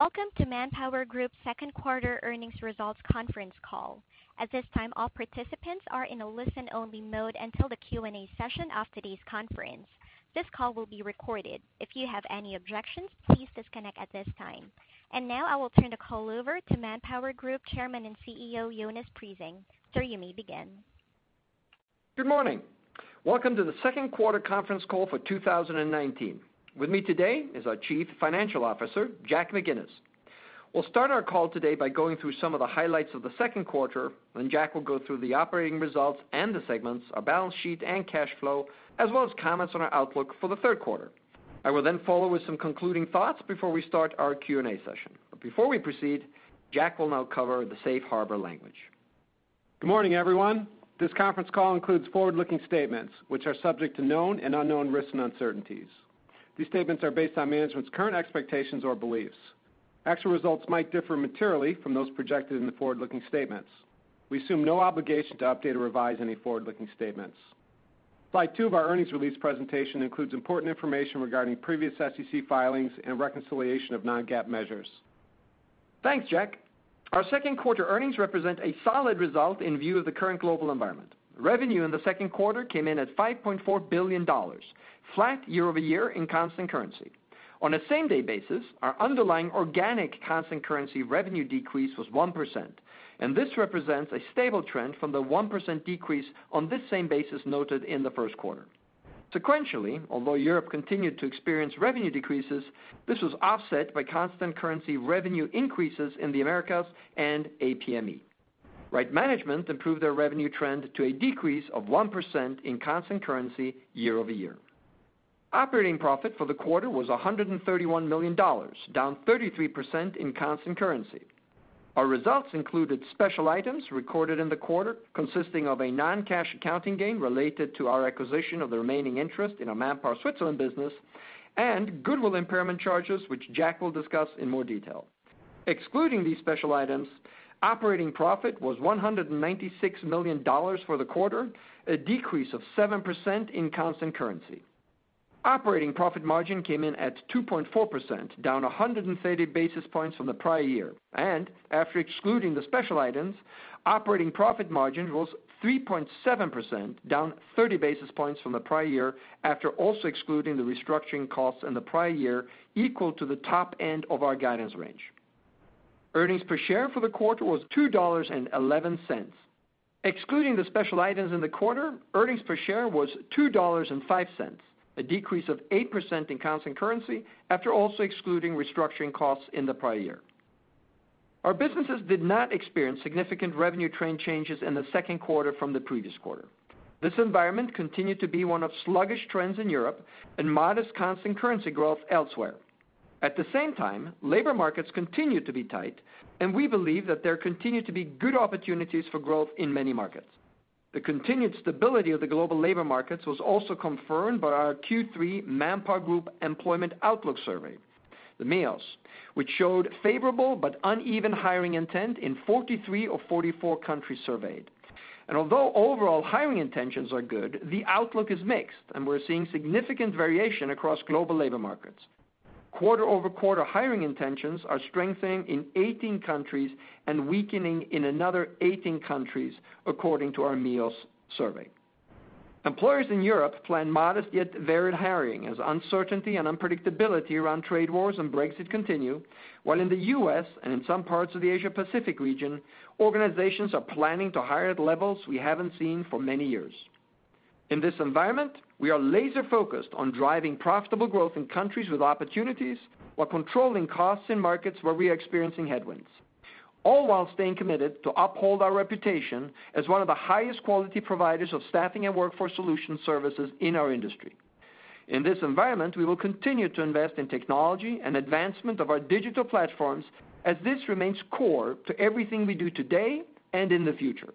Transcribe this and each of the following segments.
Welcome to ManpowerGroup's second quarter earnings results conference call. At this time, all participants are in a listen-only mode until the Q&A session of today's conference. This call will be recorded. If you have any objections, please disconnect at this time. Now I will turn the call over to ManpowerGroup Chairman and CEO, Jonas Prising. Sir, you may begin. Good morning. Welcome to the second quarter conference call for 2019. With me today is our Chief Financial Officer, Jack McGinnis. We will start our call today by going through some of the highlights of the second quarter, Jack will go through the operating results and the segments, our balance sheet, and cash flow, as well as comments on our outlook for the third quarter. I will follow with some concluding thoughts before we start our Q&A session. Before we proceed, Jack will now cover the safe harbor language. Good morning, everyone. This conference call includes forward-looking statements, which are subject to known and unknown risks and uncertainties. These statements are based on management's current expectations or beliefs. Actual results might differ materially from those projected in the forward-looking statements. We assume no obligation to update or revise any forward-looking statements. Slide two of our earnings release presentation includes important information regarding previous SEC filings and reconciliation of non-GAAP measures. Thanks, Jack. Our second quarter earnings represent a solid result in view of the current global environment. Revenue in the second quarter came in at $5.4 billion, flat year-over-year in constant currency. On a same-day basis, our underlying organic constant currency revenue decrease was 1%, and this represents a stable trend from the 1% decrease on this same basis noted in the first quarter. Sequentially, although Europe continued to experience revenue decreases, this was offset by constant currency revenue increases in the Americas and APME. Right Management improved their revenue trend to a decrease of 1% in constant currency year-over-year. Operating profit for the quarter was $131 million, down 33% in constant currency. Our results included special items recorded in the quarter, consisting of a non-cash accounting gain related to our acquisition of the remaining interest in our Manpower Switzerland business, and goodwill impairment charges, which Jack will discuss in more detail. Excluding these special items, operating profit was $196 million for the quarter, a decrease of 7% in constant currency. Operating profit margin came in at 2.4%, down 130 basis points from the prior year. After excluding the special items, operating profit margin was 3.7%, down 30 basis points from the prior year, after also excluding the restructuring costs in the prior year, equal to the top end of our guidance range. Earnings per share for the quarter was $2.11. Excluding the special items in the quarter, earnings per share was $2.05, a decrease of 8% in constant currency, after also excluding restructuring costs in the prior year. Our businesses did not experience significant revenue trend changes in the second quarter from the previous quarter. This environment continued to be one of sluggish trends in Europe and modest constant currency growth elsewhere. At the same time, labor markets continued to be tight, and we believe that there continued to be good opportunities for growth in many markets. The continued stability of the global labor markets was also confirmed by our Q3 ManpowerGroup Employment Outlook Survey, the MEOS, which showed favorable but uneven hiring intent in 43 of 44 countries surveyed. Although overall hiring intentions are good, the outlook is mixed, and we're seeing significant variation across global labor markets. Quarter-over-quarter hiring intentions are strengthening in 18 countries and weakening in another 18 countries, according to our MEOS survey. Employers in Europe plan modest yet varied hiring, as uncertainty and unpredictability around trade wars and Brexit continue, while in the U.S. and in some parts of the Asia Pacific region, organizations are planning to hire at levels we haven't seen for many years. In this environment, we are laser-focused on driving profitable growth in countries with opportunities while controlling costs in markets where we are experiencing headwinds, all while staying committed to uphold our reputation as one of the highest quality providers of staffing and workforce solution services in our industry. In this environment, we will continue to invest in technology and advancement of our digital platforms as this remains core to everything we do today and in the future.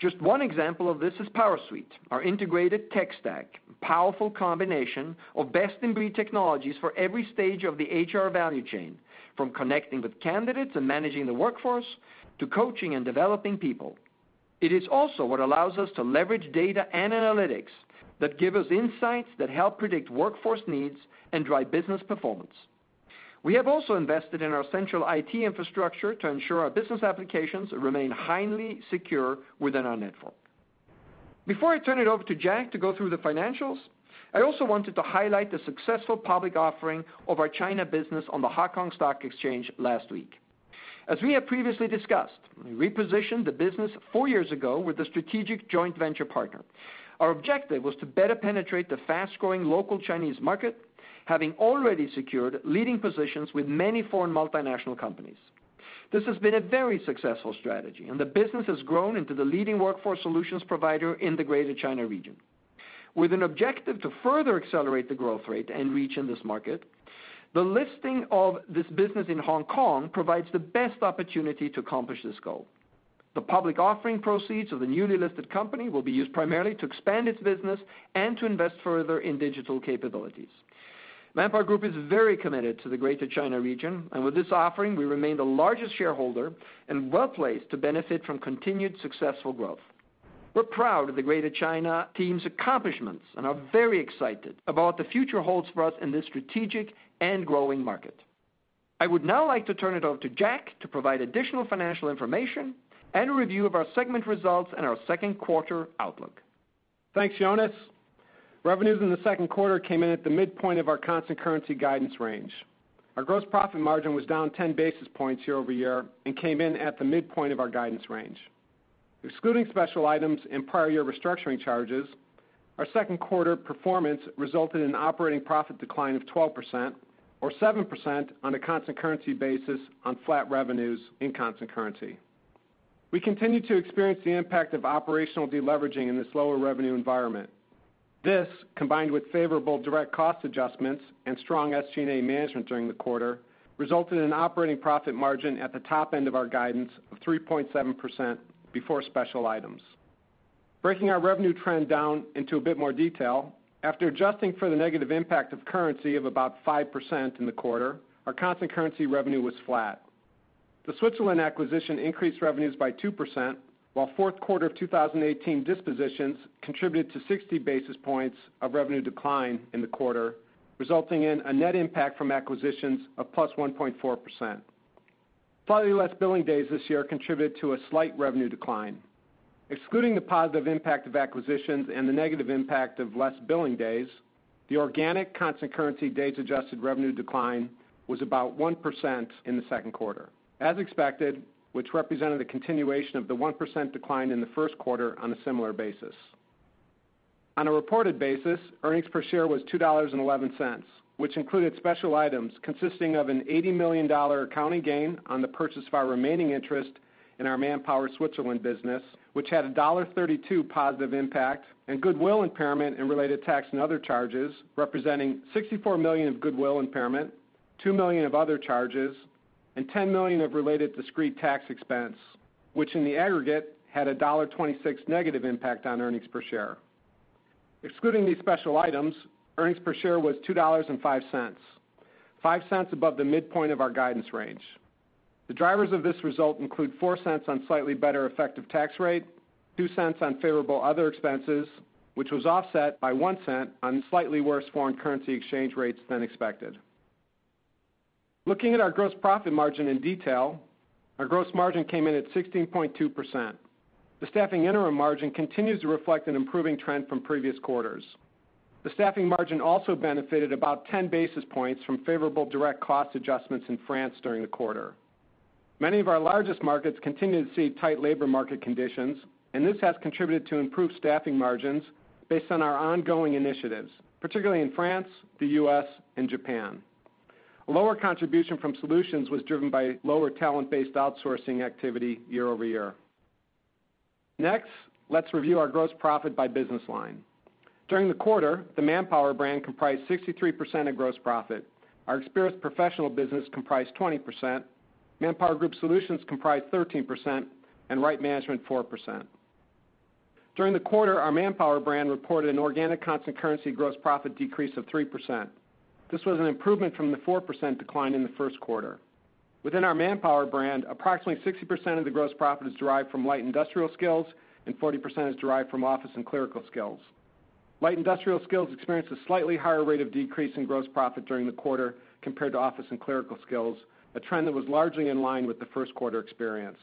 Just one example of this is PowerSuite, our integrated tech stack. A powerful combination of best-in-breed technologies for every stage of the HR value chain, from connecting with candidates and managing the workforce, to coaching and developing people. It is also what allows us to leverage data and analytics that give us insights that help predict workforce needs and drive business performance. We have also invested in our central IT infrastructure to ensure our business applications remain highly secure within our network. Before I turn it over to Jack to go through the financials, I also wanted to highlight the successful public offering of our China business on the Hong Kong Stock Exchange last week. As we have previously discussed, we repositioned the business four years ago with a strategic joint venture partner. Our objective was to better penetrate the fast-growing local Chinese market, having already secured leading positions with many foreign multinational companies. This has been a very successful strategy, and the business has grown into the leading workforce solutions provider in the Greater China region. With an objective to further accelerate the growth rate and reach in this market, the listing of this business in Hong Kong provides the best opportunity to accomplish this goal. The public offering proceeds of the newly listed company will be used primarily to expand its business and to invest further in digital capabilities. ManpowerGroup is very committed to the Greater China region, and with this offering, we remain the largest shareholder and well-placed to benefit from continued successful growth. We are proud of the Greater China team's accomplishments and are very excited about what the future holds for us in this strategic and growing market. I would now like to turn it over to Jack to provide additional financial information and a review of our segment results and our second quarter outlook. Thanks, Jonas. Revenues in the second quarter came in at the midpoint of our constant currency guidance range. Our gross profit margin was down 10 basis points year-over-year and came in at the midpoint of our guidance range. Excluding special items and prior year restructuring charges, our second quarter performance resulted in operating profit decline of 12% or 7% on a constant currency basis on flat revenues in constant currency. We continue to experience the impact of operational de-leveraging in this lower revenue environment. This, combined with favorable direct cost adjustments and strong SG&A management during the quarter, resulted in an operating profit margin at the top end of our guidance of 3.7% before special items. Breaking our revenue trend down into a bit more detail, after adjusting for the negative impact of currency of about 5% in the quarter, our constant currency revenue was flat. The Switzerland acquisition increased revenues by 2%, while fourth quarter of 2018 dispositions contributed to 60 basis points of revenue decline in the quarter, resulting in a net impact from acquisitions of plus 1.4%. Slightly less billing days this year contributed to a slight revenue decline. Excluding the positive impact of acquisitions and the negative impact of less billing days, the organic constant currency days adjusted revenue decline was about 1% in the second quarter. As expected, which represented a continuation of the 1% decline in the first quarter on a similar basis. On a reported basis, earnings per share was $2.11, which included special items consisting of an $80 million accounting gain on the purchase of our remaining interest in our Manpower Switzerland business, which had a $1.32 positive impact, and goodwill impairment and related tax and other charges, representing $64 million of goodwill impairment, $2 million of other charges, and $10 million of related discrete tax expense, which in the aggregate had a $1.26 negative impact on earnings per share. Excluding these special items, earnings per share was $2.05, $0.05 above the midpoint of our guidance range. The drivers of this result include $0.04 on slightly better effective tax rate, $0.02 on favorable other expenses, which was offset by $0.01 on slightly worse foreign currency exchange rates than expected. Looking at our gross profit margin in detail, our gross margin came in at 16.2%. The staffing interim margin continues to reflect an improving trend from previous quarters. The staffing margin also benefited about 10 basis points from favorable direct cost adjustments in France during the quarter. Many of our largest markets continue to see tight labor market conditions, and this has contributed to improved staffing margins based on our ongoing initiatives, particularly in France, the U.S., and Japan. Lower contribution from solutions was driven by lower talent-based outsourcing activity year-over-year. Next, let's review our gross profit by business line. During the quarter, the Manpower brand comprised 63% of gross profit. Our Experis professional business comprised 20%, ManpowerGroup Solutions comprised 13%, and Right Management 4%. During the quarter, our Manpower brand reported an organic constant currency gross profit decrease of 3%. This was an improvement from the 4% decline in the first quarter. Within our Manpower brand, approximately 60% of the gross profit is derived from light industrial skills and 40% is derived from office and clerical skills. Light industrial skills experienced a slightly higher rate of decrease in gross profit during the quarter compared to office and clerical skills, a trend that was largely in line with the first quarter experience.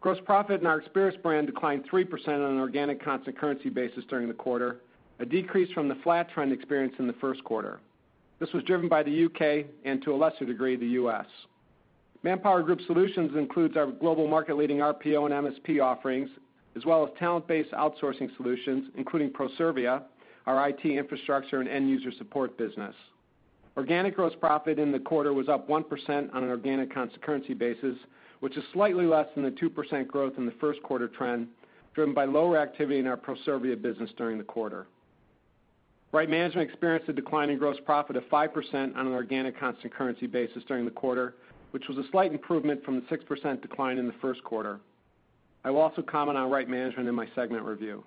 Gross profit in our Experis brand declined 3% on an organic constant currency basis during the quarter, a decrease from the flat trend experienced in the first quarter. This was driven by the U.K. and to a lesser degree, the U.S. ManpowerGroup Solutions includes our global market leading RPO and MSP offerings, as well as talent-based outsourcing solutions, including Proservia, our IT infrastructure and end-user support business. Organic gross profit in the quarter was up 1% on an organic constant currency basis, which is slightly less than the 2% growth in the first quarter trend, driven by lower activity in our Proservia business during the quarter. Right Management experienced a decline in gross profit of 5% on an organic constant currency basis during the quarter, which was a slight improvement from the 6% decline in the first quarter. I will also comment on Right Management in my segment review.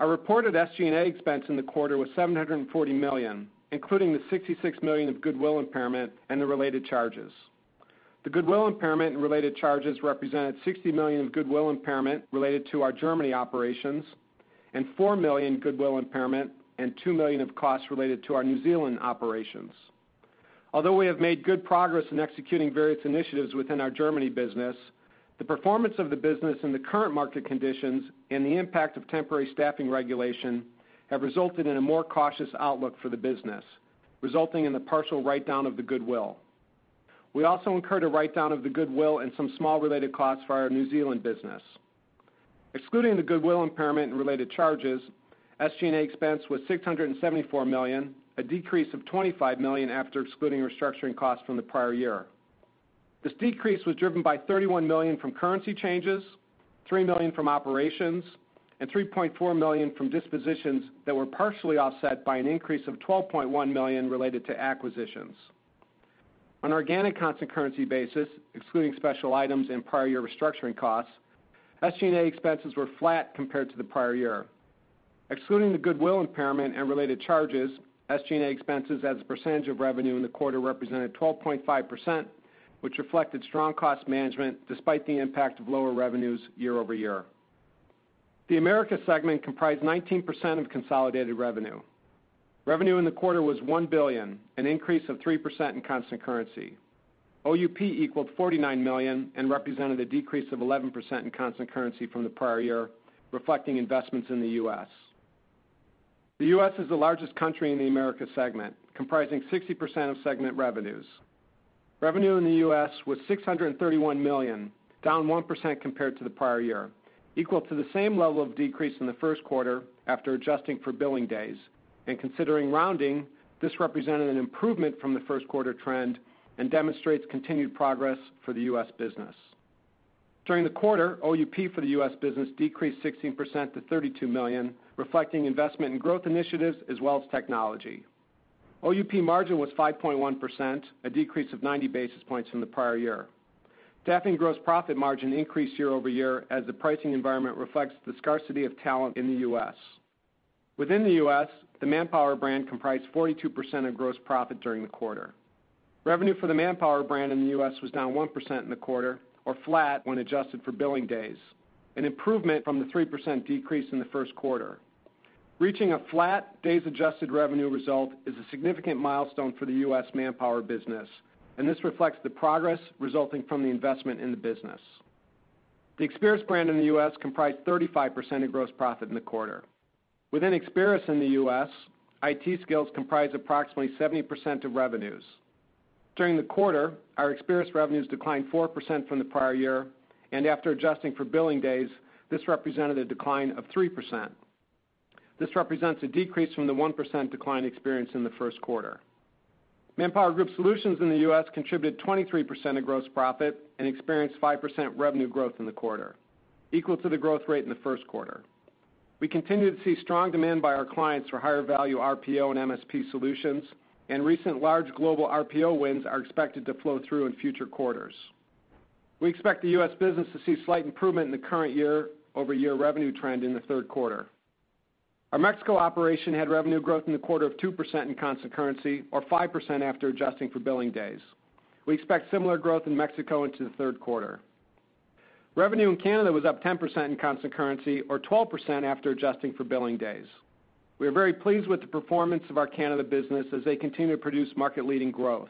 Our reported SG&A expense in the quarter was $740 million, including the $66 million of goodwill impairment and the related charges. The goodwill impairment and related charges represented $60 million of goodwill impairment related to our Germany operations, and $4 million goodwill impairment and $2 million of costs related to our New Zealand operations. Although we have made good progress in executing various initiatives within our Germany business, the performance of the business in the current market conditions and the impact of temporary staffing regulation have resulted in a more cautious outlook for the business, resulting in the partial write down of the goodwill. We also incurred a write down of the goodwill and some small related costs for our New Zealand business. Excluding the goodwill impairment and related charges, SG&A expense was $674 million, a decrease of $25 million after excluding restructuring costs from the prior year. This decrease was driven by $31 million from currency changes, $3 million from operations, and $3.4 million from dispositions that were partially offset by an increase of $12.1 million related to acquisitions. Organic constant currency basis, excluding special items and prior year restructuring costs, SG&A expenses were flat compared to the prior year. Excluding the goodwill impairment and related charges, SG&A expenses as a percentage of revenue in the quarter represented 12.5%, which reflected strong cost management despite the impact of lower revenues year-over-year. The Americas segment comprised 19% of consolidated revenue. Revenue in the quarter was $1 billion, an increase of 3% in constant currency. OUP equaled $49 million and represented a decrease of 11% in constant currency from the prior year, reflecting investments in the U.S. The U.S. is the largest country in the Americas segment, comprising 60% of segment revenues. Revenue in the U.S. was $631 million, down 1% compared to the prior year, equal to the same level of decrease in the first quarter after adjusting for billing days. Considering rounding, this represented an improvement from the first quarter trend and demonstrates continued progress for the U.S. business. During the quarter, OUP for the U.S. business decreased 16% to $32 million, reflecting investment in growth initiatives as well as technology. OUP margin was 5.1%, a decrease of 90 basis points from the prior year. Staffing gross profit margin increased year-over-year as the pricing environment reflects the scarcity of talent in the U.S. Within the U.S., the Manpower brand comprised 42% of gross profit during the quarter. Revenue for the Manpower brand in the U.S. was down 1% in the quarter, or flat when adjusted for billing days, an improvement from the 3% decrease in the first quarter. Reaching a flat days adjusted revenue result is a significant milestone for the U.S. Manpower business. This reflects the progress resulting from the investment in the business. The Experis brand in the U.S. comprised 35% of gross profit in the quarter. Within Experis in the U.S., IT skills comprised approximately 70% of revenues. During the quarter, our Experis revenues declined 4% from the prior year. After adjusting for billing days, this represented a decline of 3%. This represents a decrease from the 1% decline experienced in the first quarter. ManpowerGroup Solutions in the U.S. contributed 23% of gross profit and experienced 5% revenue growth in the quarter, equal to the growth rate in the first quarter. We continue to see strong demand by our clients for higher value RPO and MSP solutions. Recent large global RPO wins are expected to flow through in future quarters. We expect the U.S. business to see slight improvement in the current year-over-year revenue trend in the third quarter. Our Mexico operation had revenue growth in the quarter of 2% in constant currency, or 5% after adjusting for billing days. We expect similar growth in Mexico into the third quarter. Revenue in Canada was up 10% in constant currency, or 12% after adjusting for billing days. We are very pleased with the performance of our Canada business as they continue to produce market leading growth.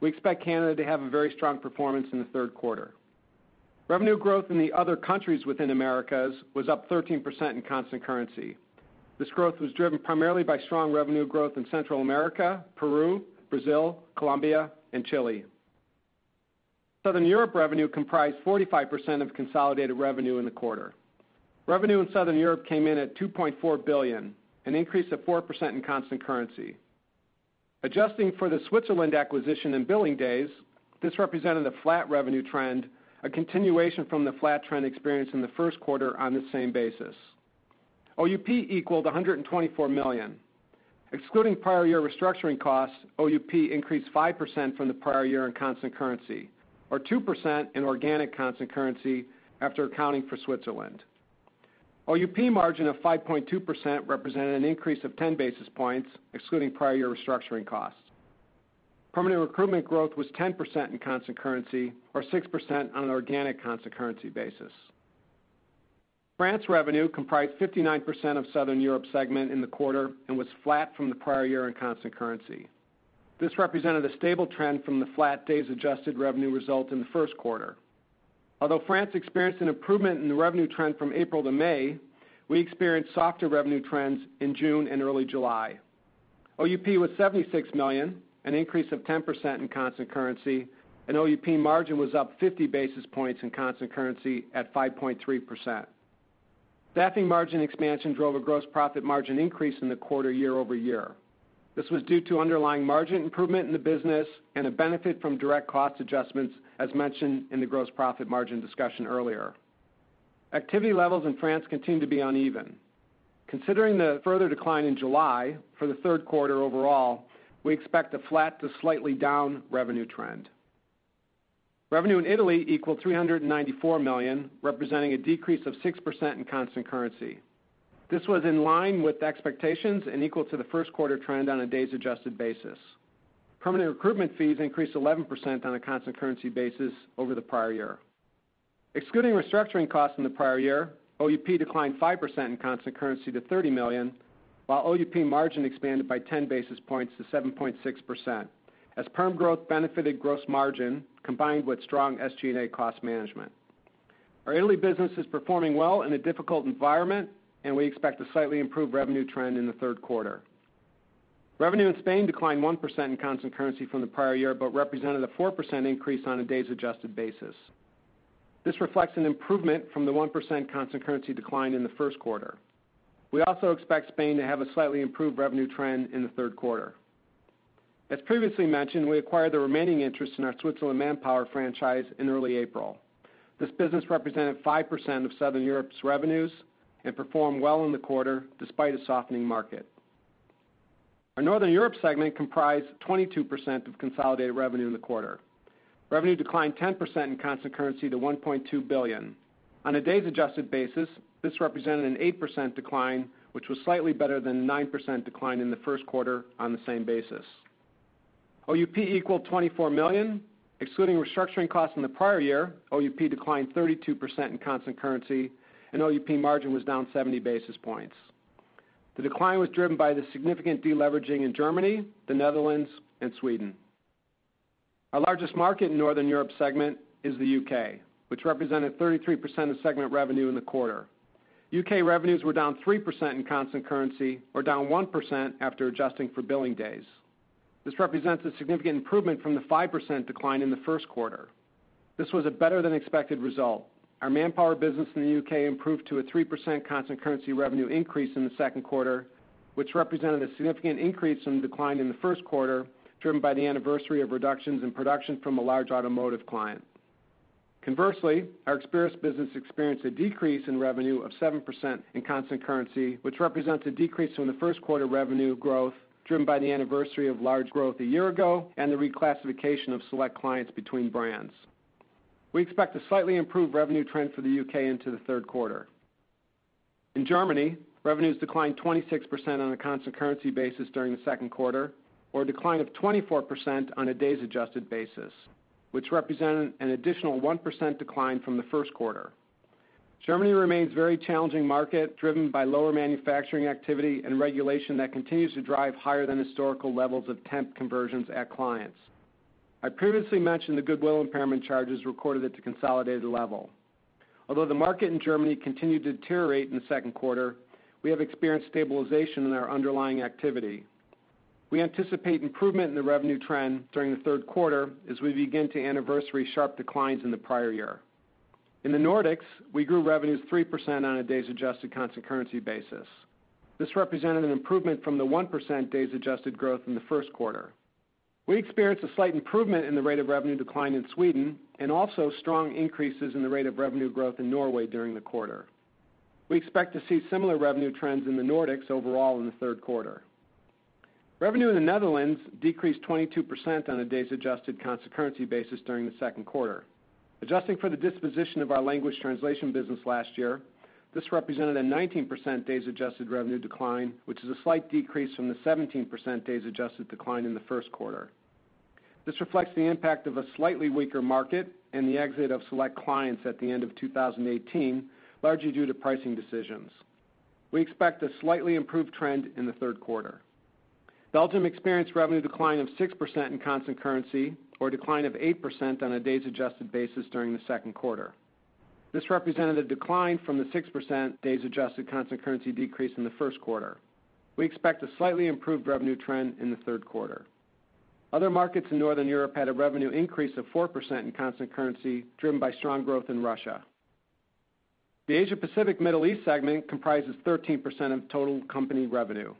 We expect Canada to have a very strong performance in the third quarter. Revenue growth in the other countries within Americas was up 13% in constant currency. This growth was driven primarily by strong revenue growth in Central America, Peru, Brazil, Colombia, and Chile. Southern Europe revenue comprised 45% of consolidated revenue in the quarter. Revenue in Southern Europe came in at $2.4 billion, an increase of 4% in constant currency. Adjusting for the Switzerland acquisition and billing days, this represented a flat revenue trend, a continuation from the flat trend experienced in the first quarter on the same basis. OUP equaled $124 million. Excluding prior year restructuring costs, OUP increased 5% from the prior year in constant currency, or 2% in organic constant currency after accounting for Switzerland. OUP margin of 5.2% represented an increase of 10 basis points, excluding prior year restructuring costs. Permanent recruitment growth was 10% in constant currency, or 6% on an organic constant currency basis. France revenue comprised 59% of Southern Europe segment in the quarter and was flat from the prior year in constant currency. This represented a stable trend from the flat days adjusted revenue result in the first quarter. France experienced an improvement in the revenue trend from April to May, we experienced softer revenue trends in June and early July. OUP was $76 million, an increase of 10% in constant currency, and OUP margin was up 50 basis points in constant currency at 5.3%. Staffing margin expansion drove a gross profit margin increase in the quarter year-over-year. This was due to underlying margin improvement in the business and a benefit from direct cost adjustments, as mentioned in the gross profit margin discussion earlier. Activity levels in France continue to be uneven. Considering the further decline in July for the third quarter overall, we expect a flat to slightly down revenue trend. Revenue in Italy equaled $394 million, representing a decrease of 6% in constant currency. This was in line with expectations and equal to the first quarter trend on a days adjusted basis. Permanent recruitment fees increased 11% on a constant currency basis over the prior year. Excluding restructuring costs in the prior year, OUP declined 5% in constant currency to $30 million, while OUP margin expanded by 10 basis points to 7.6% as perm growth benefited gross margin, combined with strong SG&A cost management. Our Italy business is performing well in a difficult environment. We expect a slightly improved revenue trend in the third quarter. Revenue in Spain declined 1% in constant currency from the prior year, represented a 4% increase on a days adjusted basis. This reflects an improvement from the 1% constant currency decline in the first quarter. We also expect Spain to have a slightly improved revenue trend in the third quarter. As previously mentioned, we acquired the remaining interest in our Switzerland Manpower franchise in early April. This business represented 5% of Southern Europe's revenues and performed well in the quarter despite a softening market. Our Northern Europe segment comprised 22% of consolidated revenue in the quarter. Revenue declined 10% in constant currency to $1.2 billion. On a days-adjusted basis, this represented an 8% decline, which was slightly better than 9% decline in the first quarter on the same basis. OUP equaled $24 million. Excluding restructuring costs in the prior year, OUP declined 32% in constant currency, and OUP margin was down 70 basis points. The decline was driven by the significant de-leveraging in Germany, the Netherlands, and Sweden. Our largest market in Northern Europe segment is the U.K., which represented 33% of segment revenue in the quarter. U.K. revenues were down 3% in constant currency or down 1% after adjusting for billing days. This represents a significant improvement from the 5% decline in the first quarter. This was a better than expected result. Our Manpower business in the U.K. improved to a 3% constant currency revenue increase in the second quarter, which represented a significant increase from the decline in the first quarter, driven by the anniversary of reductions in production from a large automotive client. Conversely, our Experis business experienced a decrease in revenue of 7% in constant currency, which represents a decrease from the first quarter revenue growth, driven by the anniversary of large growth a year ago and the reclassification of select clients between brands. We expect a slightly improved revenue trend for the U.K. into the third quarter. In Germany, revenues declined 26% on a constant currency basis during the second quarter, or a decline of 24% on a days-adjusted basis, which represented an additional 1% decline from the first quarter. Germany remains a very challenging market, driven by lower manufacturing activity and regulation that continues to drive higher than historical levels of temp conversions at clients. I previously mentioned the goodwill impairment charges recorded at the consolidated level. Although the market in Germany continued to deteriorate in the second quarter, we have experienced stabilization in our underlying activity. We anticipate improvement in the revenue trend during the third quarter as we begin to anniversary sharp declines in the prior year. In the Nordics, we grew revenues 3% on a days-adjusted constant currency basis. This represented an improvement from the 1% days-adjusted growth in the first quarter. We experienced a slight improvement in the rate of revenue decline in Sweden and also strong increases in the rate of revenue growth in Norway during the quarter. We expect to see similar revenue trends in the Nordics overall in the third quarter. Revenue in the Netherlands decreased 22% on a days-adjusted constant currency basis during the second quarter. Adjusting for the disposition of our language translation business last year, this represented a 19% days-adjusted revenue decline, which is a slight decrease from the 17% days-adjusted decline in the first quarter. This reflects the impact of a slightly weaker market and the exit of select clients at the end of 2018, largely due to pricing decisions. We expect a slightly improved trend in the third quarter. Belgium experienced revenue decline of 6% in constant currency or a decline of 8% on a days-adjusted basis during the second quarter. This represented a decline from the 6% days-adjusted constant currency decrease in the first quarter. We expect a slightly improved revenue trend in the third quarter. Other markets in Northern Europe had a revenue increase of 4% in constant currency, driven by strong growth in Russia. The Asia Pacific Middle East segment comprises 13% of total company revenue.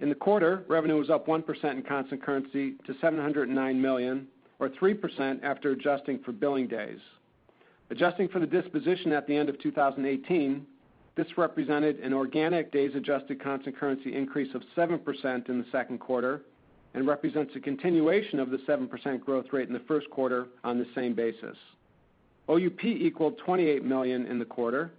In the quarter, revenue was up 1% in constant currency to $709 million or 3% after adjusting for billing days. Adjusting for the disposition at the end of 2018, this represented an organic days-adjusted constant currency increase of 7% in the second quarter and represents a continuation of the 7% growth rate in the first quarter on the same basis. OUP equaled $28 million in the quarter.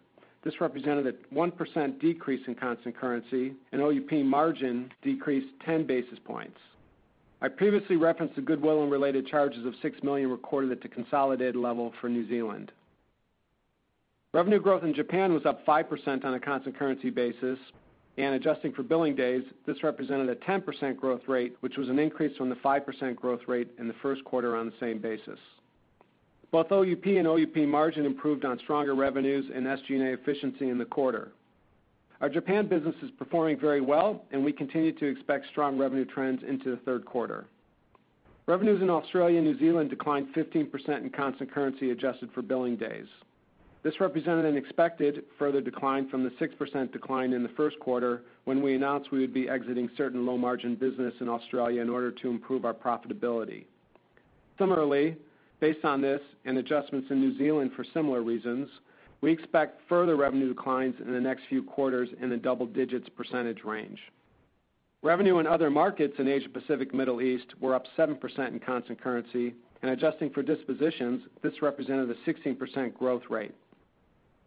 This represented a 1% decrease in constant currency, and OUP margin decreased 10 basis points. I previously referenced the goodwill and related charges of $6 million recorded at the consolidated level for New Zealand. Revenue growth in Japan was up 5% on a constant currency basis, adjusting for billing days, this represented a 10% growth rate, which was an increase from the 5% growth rate in the first quarter on the same basis. Both OUP and OUP margin improved on stronger revenues and SG&A efficiency in the quarter. Our Japan business is performing very well, and we continue to expect strong revenue trends into the third quarter. Revenues in Australia and New Zealand declined 15% in constant currency adjusted for billing days. This represented an expected further decline from the 6% decline in the first quarter, when we announced we would be exiting certain low-margin business in Australia in order to improve our profitability. Similarly, based on this and adjustments in New Zealand for similar reasons, we expect further revenue declines in the next few quarters in the double digits percentage range. Revenue in other markets in Asia Pacific Middle East were up 7% in constant currency, adjusting for dispositions, this represented a 16% growth rate.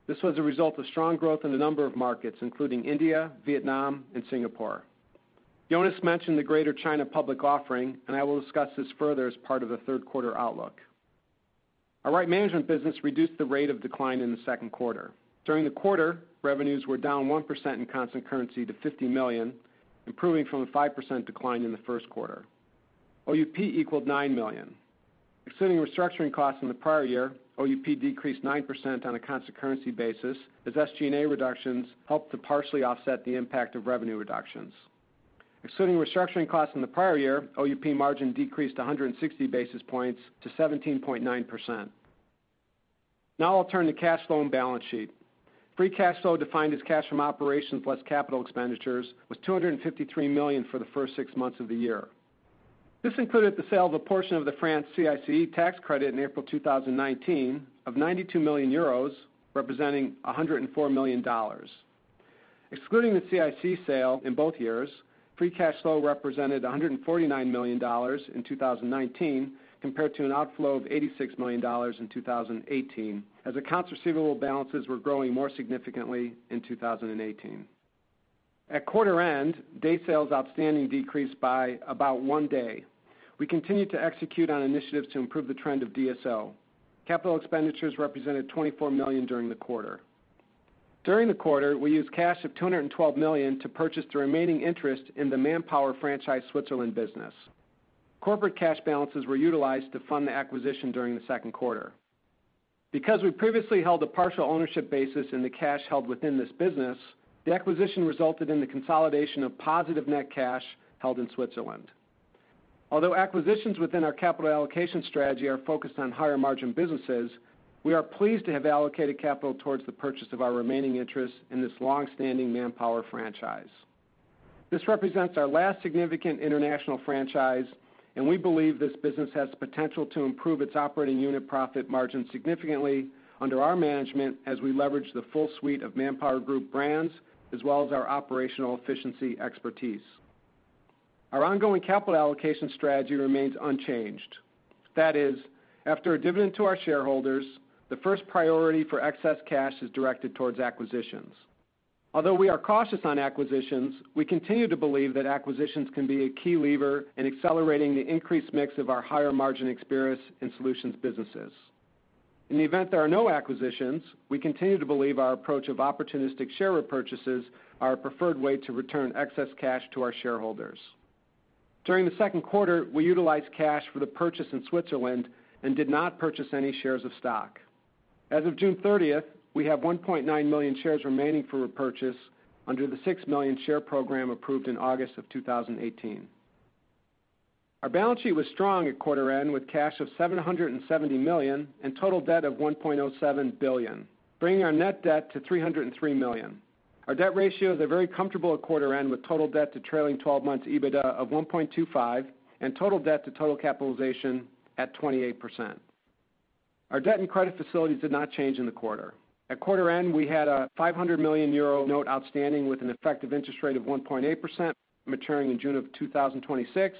This was a result of strong growth in a number of markets, including India, Vietnam, and Singapore. Jonas mentioned the Greater China public offering, I will discuss this further as part of the third quarter outlook. Our Right Management business reduced the rate of decline in the second quarter. During the quarter, revenues were down 1% in constant currency to $50 million, improving from a 5% decline in the first quarter. OUP equaled $9 million. Excluding restructuring costs in the prior year, OUP decreased 9% on a constant currency basis as SG&A reductions helped to partially offset the impact of revenue reductions. Excluding restructuring costs in the prior year, OUP margin decreased 160 basis points to 17.9%. I'll turn to cash flow and balance sheet. Free cash flow defined as cash from operations less capital expenditures was $253 million for the first six months of the year. This included the sale of a portion of the France CICE tax credit in April 2019 of 92 million euros, representing $104 million. Excluding the CICE sale in both years, free cash flow represented $149 million in 2019, compared to an outflow of $86 million in 2018, as accounts receivable balances were growing more significantly in 2018. At quarter end, Days Sales Outstanding decreased by about one day. We continued to execute on initiatives to improve the trend of DSO. Capital expenditures represented $24 million during the quarter. During the quarter, we used cash of $212 million to purchase the remaining interest in the Manpower Franchise Switzerland business. Corporate cash balances were utilized to fund the acquisition during the second quarter. Because we previously held a partial ownership basis in the cash held within this business, the acquisition resulted in the consolidation of positive net cash held in Switzerland. Although acquisitions within our capital allocation strategy are focused on higher margin businesses, we are pleased to have allocated capital towards the purchase of our remaining interest in this longstanding Manpower Franchise. This represents our last significant international franchise, and we believe this business has the potential to improve its operating unit profit margin significantly under our management as we leverage the full suite of ManpowerGroup brands, as well as our operational efficiency expertise. Our ongoing capital allocation strategy remains unchanged. That is, after a dividend to our shareholders, the first priority for excess cash is directed towards acquisitions. Although we are cautious on acquisitions, we continue to believe that acquisitions can be a key lever in accelerating the increased mix of our higher margin experience in solutions businesses. In the event there are no acquisitions, we continue to believe our approach of opportunistic share repurchases are a preferred way to return excess cash to our shareholders. During the second quarter, we utilized cash for the purchase in Switzerland and did not purchase any shares of stock. As of June 30th, we have 1.9 million shares remaining for repurchase under the 6 million share program approved in August 2018. Our balance sheet was strong at quarter end, with cash of $770 million and total debt of $1.07 billion, bringing our net debt to $303 million. Our debt ratios are very comfortable at quarter end, with total debt to trailing 12 months EBITDA of 1.25x and total debt to total capitalization at 28%. Our debt and credit facilities did not change in the quarter. At quarter end, we had a 500 million euro note outstanding with an effective interest rate of 1.8% maturing in June 2026,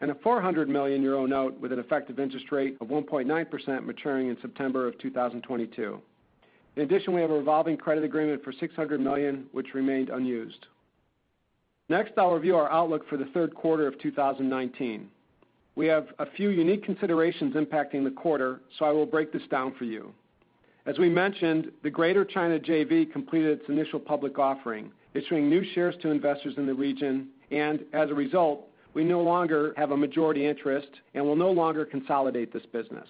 and a 400 million euro note with an effective interest rate of 1.9% maturing in September 2022. In addition, we have a revolving credit agreement for $600 million, which remained unused. Next, I'll review our outlook for the third quarter of 2019. We have a few unique considerations impacting the quarter, so I will break this down for you. As we mentioned, the Greater China JV completed its initial public offering, issuing new shares to investors in the region, and as a result, we no longer have a majority interest and will no longer consolidate this business.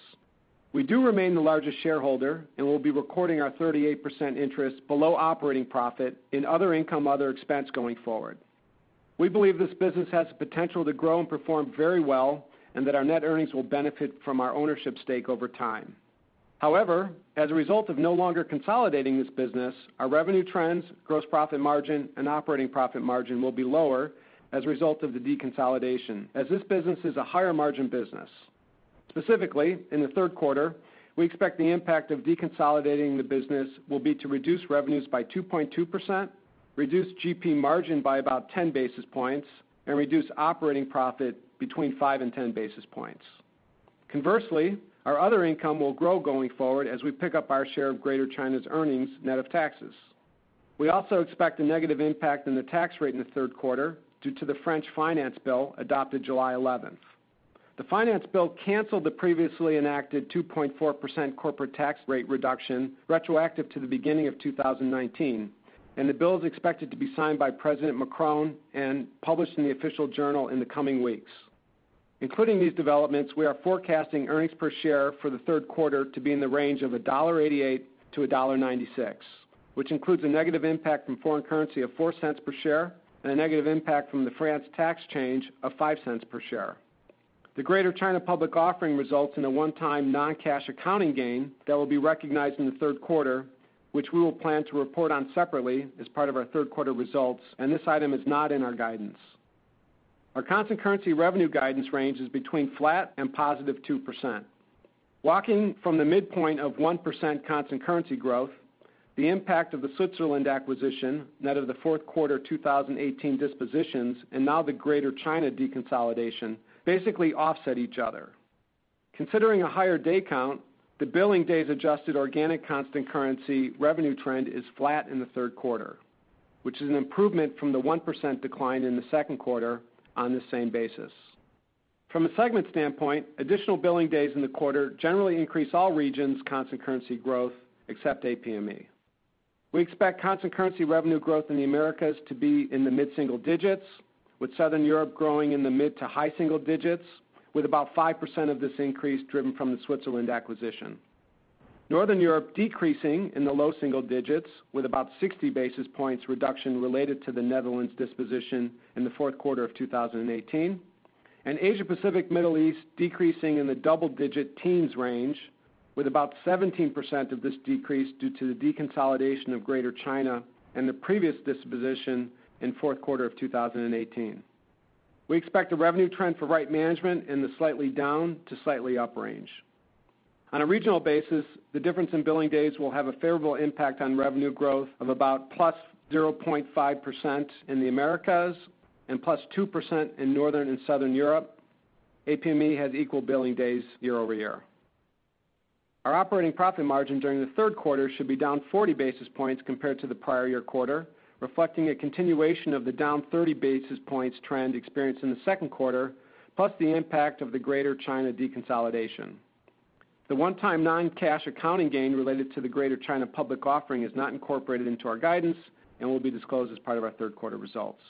We do remain the largest shareholder and will be recording our 38% interest below operating profit in other income, other expense going forward. We believe this business has the potential to grow and perform very well and that our net earnings will benefit from our ownership stake over time. However, as a result of no longer consolidating this business, our revenue trends, gross profit margin, and operating profit margin will be lower as a result of the deconsolidation as this business is a higher margin business. Specifically, in the third quarter, we expect the impact of deconsolidating the business will be to reduce revenues by 2.2%, reduce GP margin by about 10 basis points, and reduce operating profit between five and 10 basis points. Conversely, our other income will grow going forward as we pick up our share of Greater China's earnings net of taxes. We also expect a negative impact in the tax rate in the third quarter due to the French finance bill adopted July 11th. The finance bill canceled the previously enacted 2.4% corporate tax rate reduction retroactive to the beginning of 2019. The bill is expected to be signed by President Macron and published in the Official Journal in the coming weeks. Including these developments, we are forecasting earnings per share for the third quarter to be in the range of $1.88-$1.96, which includes a negative impact from foreign currency of $0.04 per share and a negative impact from the France tax change of $0.05 per share. The Greater China public offering results in a one-time non-cash accounting gain that will be recognized in the third quarter, which we will plan to report on separately as part of our third quarter results. This item is not in our guidance. Our constant currency revenue guidance range is between flat and positive 2%. Walking from the midpoint of 1% constant currency growth, the impact of the Switzerland acquisition, net of the fourth quarter 2018 dispositions, and now the Greater China deconsolidation, basically offset each other. Considering a higher day count, the billing days adjusted organic constant currency revenue trend is flat in the third quarter, which is an improvement from the 1% decline in the second quarter on this same basis. From a segment standpoint, additional billing days in the quarter generally increase all regions' constant currency growth, except APME. We expect constant currency revenue growth in the Americas to be in the mid-single digits, with Southern Europe growing in the mid to high single digits with about 5% of this increase driven from the Switzerland acquisition. Northern Europe decreasing in the low single digits with about 60 basis points reduction related to the Netherlands disposition in the fourth quarter of 2018. Asia Pacific Middle East decreasing in the double digit teens range with about 17% of this decrease due to the deconsolidation of Greater China and the previous disposition in fourth quarter of 2018. We expect the revenue trend for Right Management in the slightly down to slightly up range. On a regional basis, the difference in billing days will have a favorable impact on revenue growth of about +0.5% in the Americas and +2% in Northern and Southern Europe. APME had equal billing days year-over-year. Our operating profit margin during the third quarter should be down 40 basis points compared to the prior year quarter, reflecting a continuation of the down 30 basis points trend experienced in the second quarter, plus the impact of the Greater China deconsolidation. The one-time non-cash accounting gain related to the Greater China public offering is not incorporated into our guidance and will be disclosed as part of our third quarter results.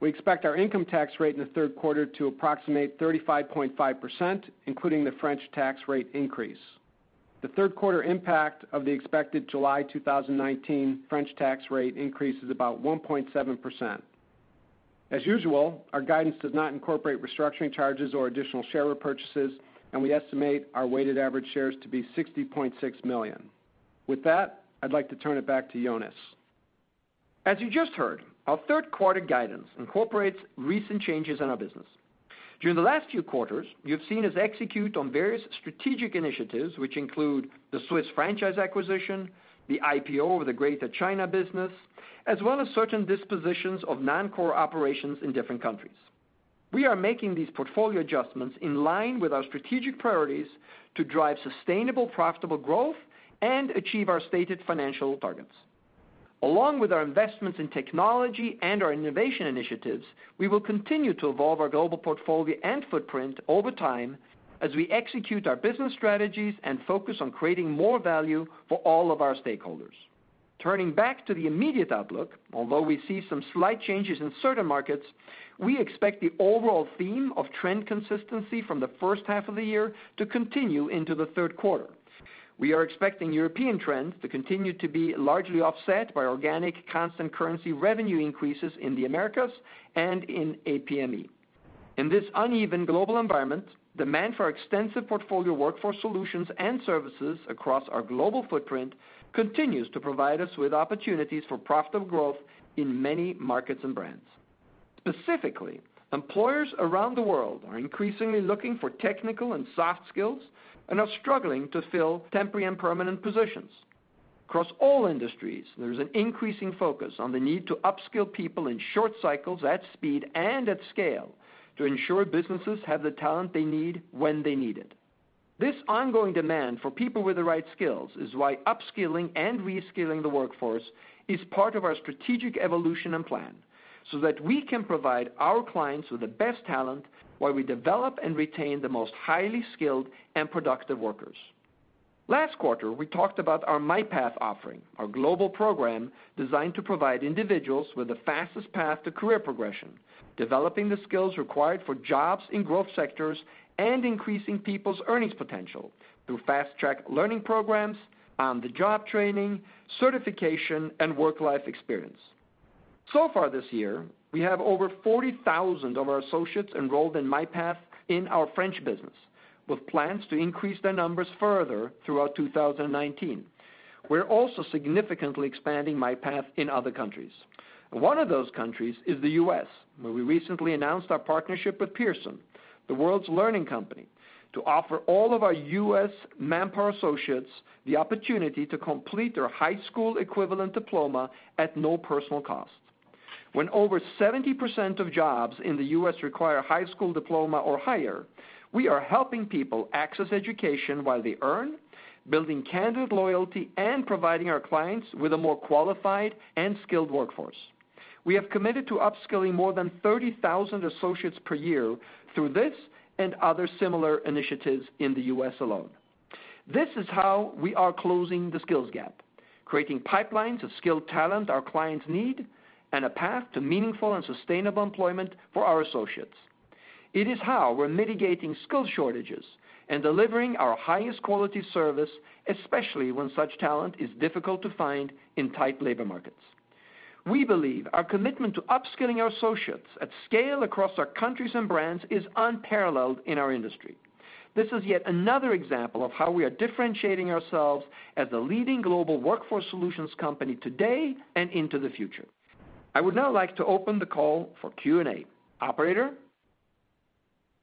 We expect our income tax rate in the third quarter to approximate 35.5%, including the French tax rate increase. The third quarter impact of the expected July 2019 French tax rate increase is about 1.7%. As usual, our guidance does not incorporate restructuring charges or additional share repurchases, and we estimate our weighted average shares to be 60.6 million. With that, I'd like to turn it back to Jonas. As you just heard, our third quarter guidance incorporates recent changes in our business. During the last few quarters, you've seen us execute on various strategic initiatives, which include the Swiss franchise acquisition, the IPO of the Greater China business, as well as certain dispositions of non-core operations in different countries. We are making these portfolio adjustments in line with our strategic priorities to drive sustainable, profitable growth and achieve our stated financial targets. Along with our investments in technology and our innovation initiatives, we will continue to evolve our global portfolio and footprint over time as we execute our business strategies and focus on creating more value for all of our stakeholders. Turning back to the immediate outlook, although we see some slight changes in certain markets, we expect the overall theme of trend consistency from the first half of the year to continue into the third quarter. We are expecting European trends to continue to be largely offset by organic constant currency revenue increases in the Americas and in APME. In this uneven global environment, demand for our extensive portfolio of workforce solutions and services across our global footprint continues to provide us with opportunities for profitable growth in many markets and brands. Specifically, employers around the world are increasingly looking for technical and soft skills and are struggling to fill temporary and permanent positions. Across all industries, there's an increasing focus on the need to upskill people in short cycles at speed and at scale to ensure businesses have the talent they need when they need it. This ongoing demand for people with the right skills is why upskilling and reskilling the workforce is part of our strategic evolution and plan, so that we can provide our clients with the best talent while we develop and retain the most highly skilled and productive workers. Far this year, we have over 40,000 of our associates enrolled in MyPath in our French business, with plans to increase their numbers further throughout 2019. We're also significantly expanding MyPath in other countries. One of those countries is the U.S., where we recently announced our partnership with Pearson, the world's learning company, to offer all of our U.S. Manpower associates the opportunity to complete their high school equivalent diploma at no personal cost. When over 70% of jobs in the U.S. require a high school diploma or higher, we are helping people access education while they earn, building candidate loyalty, and providing our clients with a more qualified and skilled workforce. We have committed to upskilling more than 30,000 associates per year through this and other similar initiatives in the U.S. alone. This is how we are closing the skills gap, creating pipelines of skilled talent our clients need, and a path to meaningful and sustainable employment for our associates. It is how we're mitigating skills shortages and delivering our highest quality service, especially when such talent is difficult to find in tight labor markets. We believe our commitment to upskilling our associates at scale across our countries and brands is unparalleled in our industry. This is yet another example of how we are differentiating ourselves as a leading global workforce solutions company today and into the future. I would now like to open the call for Q&A. Operator?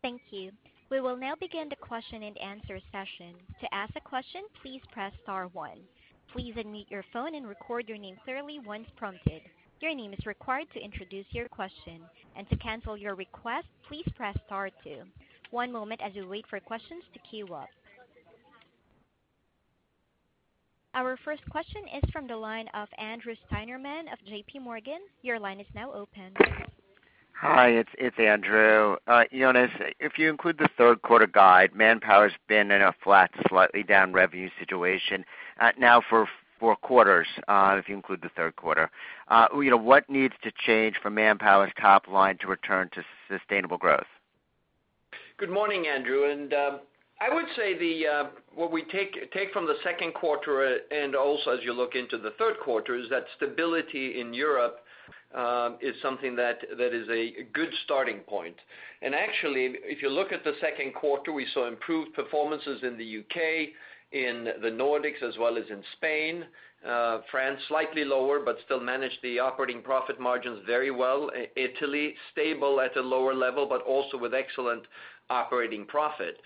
Thank you. We will now begin the question and answer session. To ask a question, please press star one. Please unmute your phone and record your name clearly once prompted. Your name is required to introduce your question. To cancel your request, please press star two. One moment as we wait for questions to queue up. Our first question is from the line of Andrew Steinerman of J.P. Morgan. Your line is now open. Hi, it's Andrew. Jonas, if you include the third quarter guide, Manpower's been in a flat to slightly down revenue situation now for four quarters, if you include the third quarter. What needs to change for Manpower's top line to return to sustainable growth? Good morning, Andrew. I would say what we take from the second quarter, also as you look into the third quarter, is that stability in Europe is something that is a good starting point. Actually, if you look at the second quarter, we saw improved performances in the U.K., in the Nordics, as well as in Spain. France, slightly lower, still managed the operating profit margins very well. Italy, stable at a lower level, also with excellent operating profit.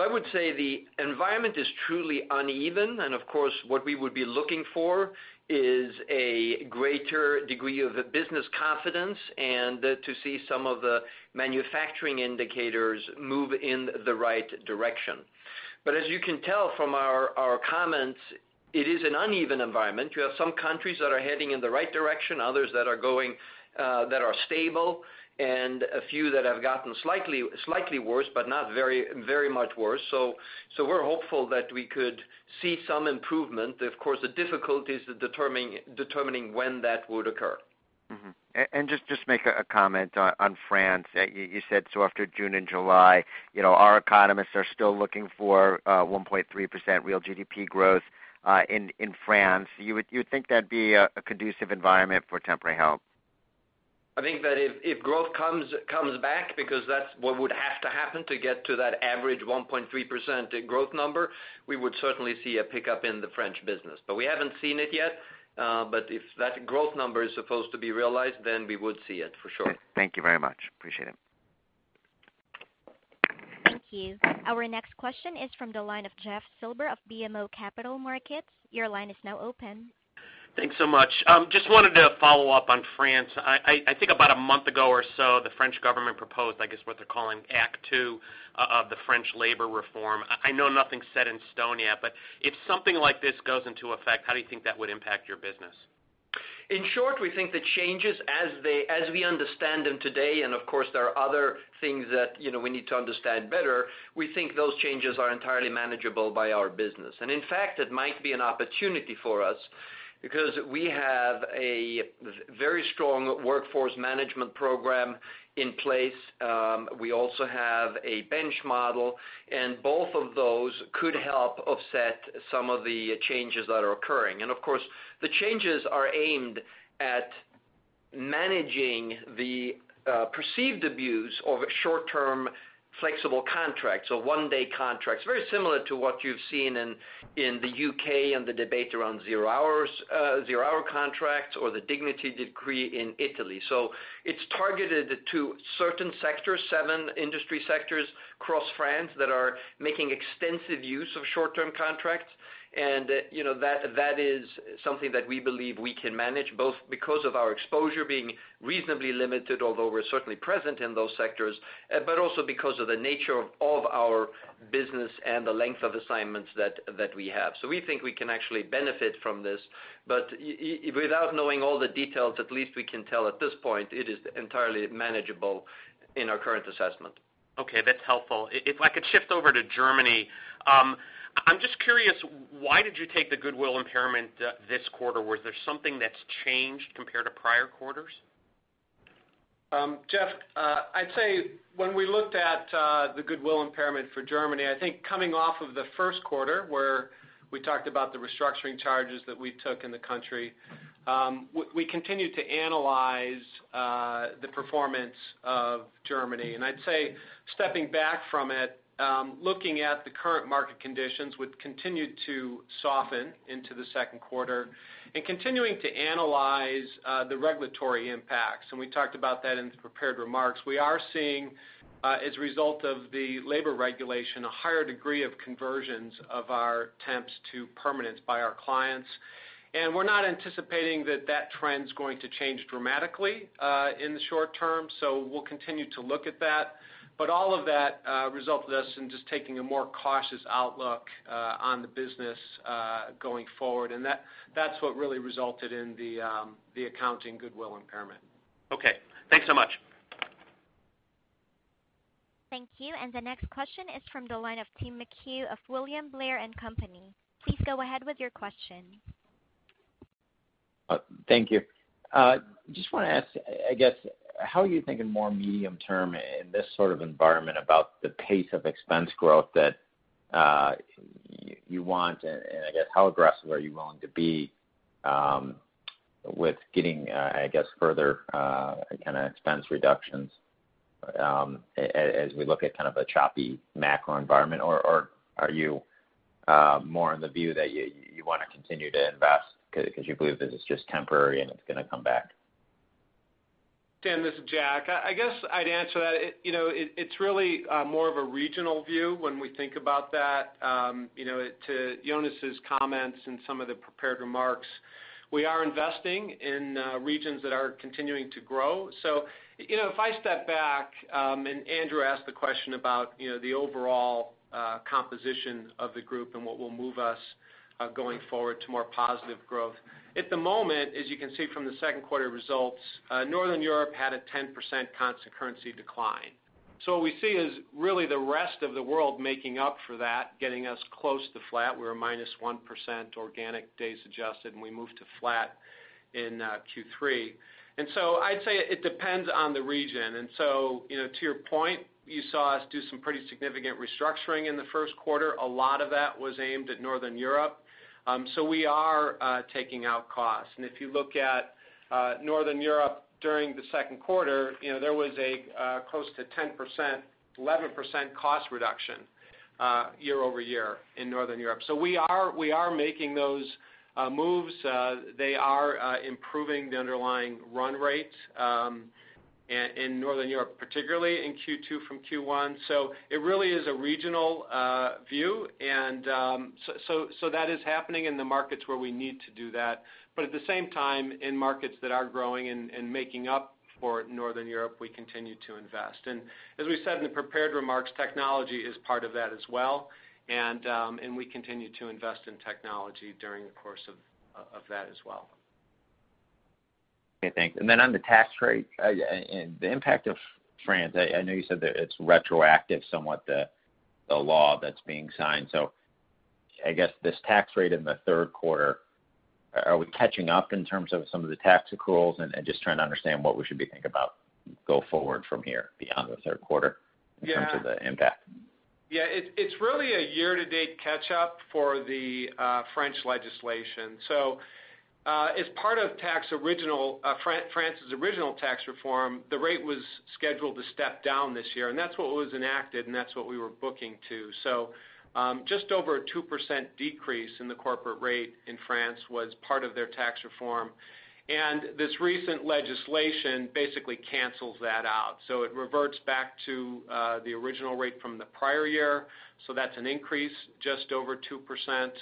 I would say the environment is truly uneven, and of course, what we would be looking for is a greater degree of business confidence and to see some of the manufacturing indicators move in the right direction. As you can tell from our comments, it is an uneven environment. You have some countries that are heading in the right direction, others that are stable, a few that have gotten slightly worse, not very much worse. We're hopeful that we could see some improvement. Of course, the difficulty is determining when that would occur. Just make a comment on France. You said after June and July, our economists are still looking for 1.3% real GDP growth in France. You would think that'd be a conducive environment for Temporary Help? I think that if growth comes back, because that's what would have to happen to get to that average 1.3% growth number, we would certainly see a pickup in the French business. We haven't seen it yet. If that growth number is supposed to be realized, we would see it for sure. Thank you very much. Appreciate it. Thank you. Our next question is from the line of Jeff Silber of BMO Capital Markets. Your line is now open. Thanks so much. Just wanted to follow up on France. I think about a month ago or so, the French government proposed, I guess, what they're calling Act Two of the French labor reform. I know nothing's set in stone yet, but if something like this goes into effect, how do you think that would impact your business? In short, we think the changes as we understand them today, of course, there are other things that we need to understand better, we think those changes are entirely manageable by our business. In fact, it might be an opportunity for us because we have a very strong workforce management program in place. We also have a bench model, and both of those could help offset some of the changes that are occurring. Of course, the changes are aimed at managing the perceived abuse of short-term flexible contracts or one-day contracts, very similar to what you've seen in the U.K. and the debate around zero-hour contracts or the Dignity Decree in Italy. It's targeted to certain sectors, seven industry sectors across France that are making extensive use of short-term contracts. That is something that we believe we can manage, both because of our exposure being reasonably limited, although we're certainly present in those sectors, but also because of the nature of our business and the length of assignments that we have. We think we can actually benefit from this. Without knowing all the details, at least we can tell at this point it is entirely manageable in our current assessment. Okay. That's helpful. If I could shift over to Germany. I'm just curious, why did you take the goodwill impairment this quarter? Was there something that's changed compared to prior quarters? Jeff, I'd say when we looked at the goodwill impairment for Germany, I think coming off of the first quarter, where we talked about the restructuring charges that we took in the country, we continued to analyze the performance of Germany. I'd say stepping back from it, looking at the current market conditions, which continued to soften into the second quarter, continuing to analyze the regulatory impacts, and we talked about that in the prepared remarks. We are seeing, as a result of the labor regulation, a higher degree of conversions of our temps to permanence by our clients. We're not anticipating that trend's going to change dramatically in the short term, so we'll continue to look at that. All of that resulted in us just taking a more cautious outlook on the business going forward. That's what really resulted in the accounting goodwill impairment. Okay. Thanks so much. Thank you. The next question is from the line of Tim McHugh of William Blair & Company. Please go ahead with your question. Thank you. Just want to ask, I guess, how are you thinking more medium term in this sort of environment about the pace of expense growth that you want, and I guess how aggressive are you willing to be with getting further kind of expense reductions as we look at kind of a choppy macro environment? Are you more in the view that you want to continue to invest because you believe this is just temporary and it's going to come back? Tim, this is Jack. I guess I'd answer that it's really more of a regional view when we think about that. To Jonas's comments and some of the prepared remarks, we are investing in regions that are continuing to grow. If I step back, Andrew asked the question about the overall composition of the group and what will move us going forward to more positive growth. At the moment, as you can see from the second quarter results, Northern Europe had a 10% constant currency decline. What we see is really the rest of the world making up for that, getting us close to flat. We were minus 1% organic days adjusted, and we moved to flat in Q3. I'd say it depends on the region. To your point, you saw us do some pretty significant restructuring in the first quarter. A lot of that was aimed at Northern Europe. We are taking out costs. If you look at Northern Europe during the second quarter, there was a close to 11% cost reduction year-over-year in Northern Europe. We are making those moves. They are improving the underlying run rate in Northern Europe, particularly in Q2 from Q1. It really is a regional view. That is happening in the markets where we need to do that. At the same time, in markets that are growing and making up for Northern Europe, we continue to invest. As we said in the prepared remarks, technology is part of that as well. We continue to invest in technology during the course of that as well. Okay, thanks. On the tax rate and the impact of France, I know you said that it's retroactive somewhat, the law that's being signed. I guess this tax rate in the third quarter, are we catching up in terms of some of the tax accruals? Just trying to understand what we should be thinking about go forward from here beyond the third quarter in terms of the impact. Yeah. It's really a year-to-date catch-up for the French legislation. As part of France's original tax reform, the rate was scheduled to step down this year, and that's what was enacted, and that's what we were booking to. Just over a 2% decrease in the corporate rate in France was part of their tax reform. This recent legislation basically cancels that out. It reverts back to the original rate from the prior year. That's an increase just over 2%.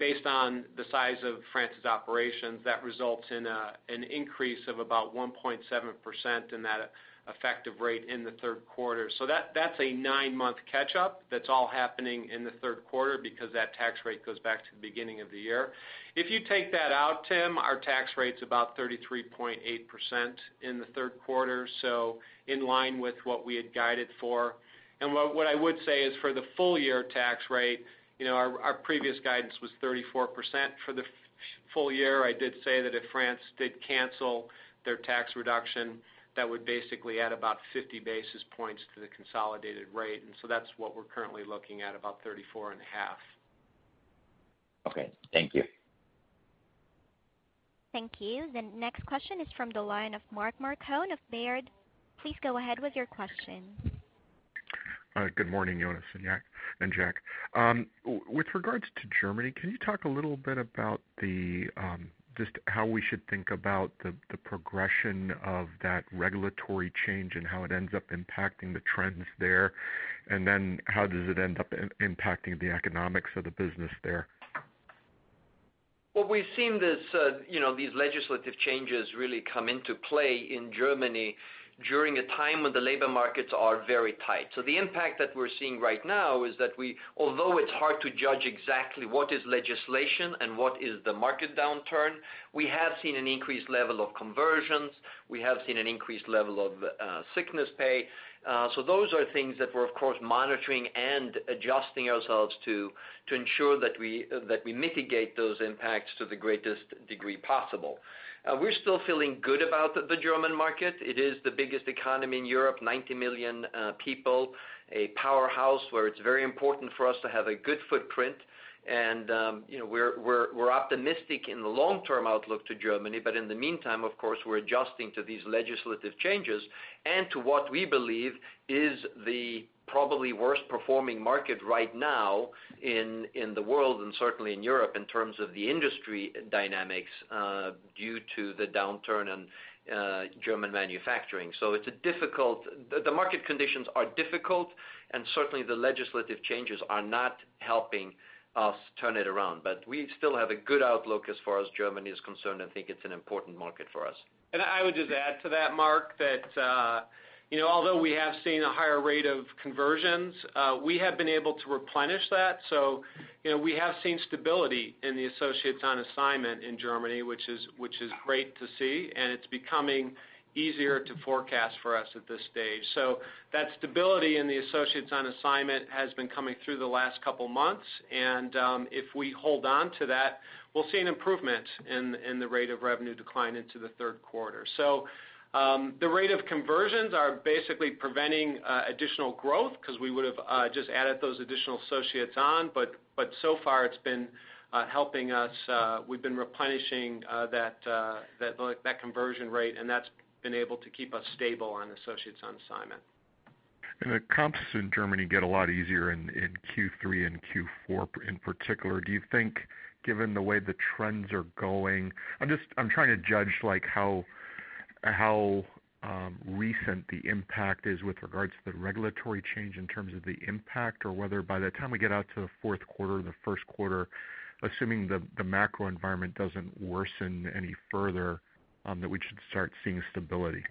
Based on the size of France's operations, that results in an increase of about 1.7% in that effective rate in the third quarter. That's a nine-month catch-up that's all happening in the third quarter because that tax rate goes back to the beginning of the year. If you take that out, Tim, our tax rate's about 33.8% in the third quarter, so in line with what we had guided for. What I would say is for the full year tax rate, our previous guidance was 34% for the full year. I did say that if France did cancel their tax reduction, that would basically add about 50 basis points to the consolidated rate. That's what we're currently looking at, about 34 and a half. Okay. Thank you. Thank you. The next question is from the line of Mark Marcon of Baird. Please go ahead with your question. Good morning, Jonas and Jack. With regards to Germany, can you talk a little bit about just how we should think about the progression of that regulatory change and how it ends up impacting the trends there? Then how does it end up impacting the economics of the business there? What we've seen these legislative changes really come into play in Germany during a time when the labor markets are very tight. The impact that we're seeing right now is that although it's hard to judge exactly what is legislation and what is the market downturn, we have seen an increased level of conversions. We have seen an increased level of sickness pay. Those are things that we're of course monitoring and adjusting ourselves to ensure that we mitigate those impacts to the greatest degree possible. We're still feeling good about the German market. It is the biggest economy in Europe, 90 million people, a powerhouse where it's very important for us to have a good footprint. We're optimistic in the long-term outlook to Germany. In the meantime, of course, we're adjusting to these legislative changes and to what we believe is the probably worst-performing market right now in the world, and certainly in Europe, in terms of the industry dynamics due to the downturn in German manufacturing. The market conditions are difficult, and certainly the legislative changes are not helping us turn it around. We still have a good outlook as far as Germany is concerned, and think it's an important market for us. I would just add to that, Mark, that although we have seen a higher rate of conversions, we have been able to replenish that. We have seen stability in the associates on assignment in Germany, which is great to see, and it's becoming easier to forecast for us at this stage. That stability in the associates on assignment has been coming through the last couple of months, and if we hold on to that, we'll see an improvement in the rate of revenue decline into the third quarter. The rate of conversions are basically preventing additional growth because we would've just added those additional associates on. So far it's been helping us. We've been replenishing that conversion rate, and that's been able to keep us stable on associates on assignment. The comps in Germany get a lot easier in Q3 and Q4 in particular. Do you think, given the way the trends are going, I'm trying to judge how recent the impact is with regards to the regulatory change in terms of the impact, or whether by the time we get out to the fourth quarter or the first quarter, assuming the macro environment doesn't worsen any further, that we should start seeing stability?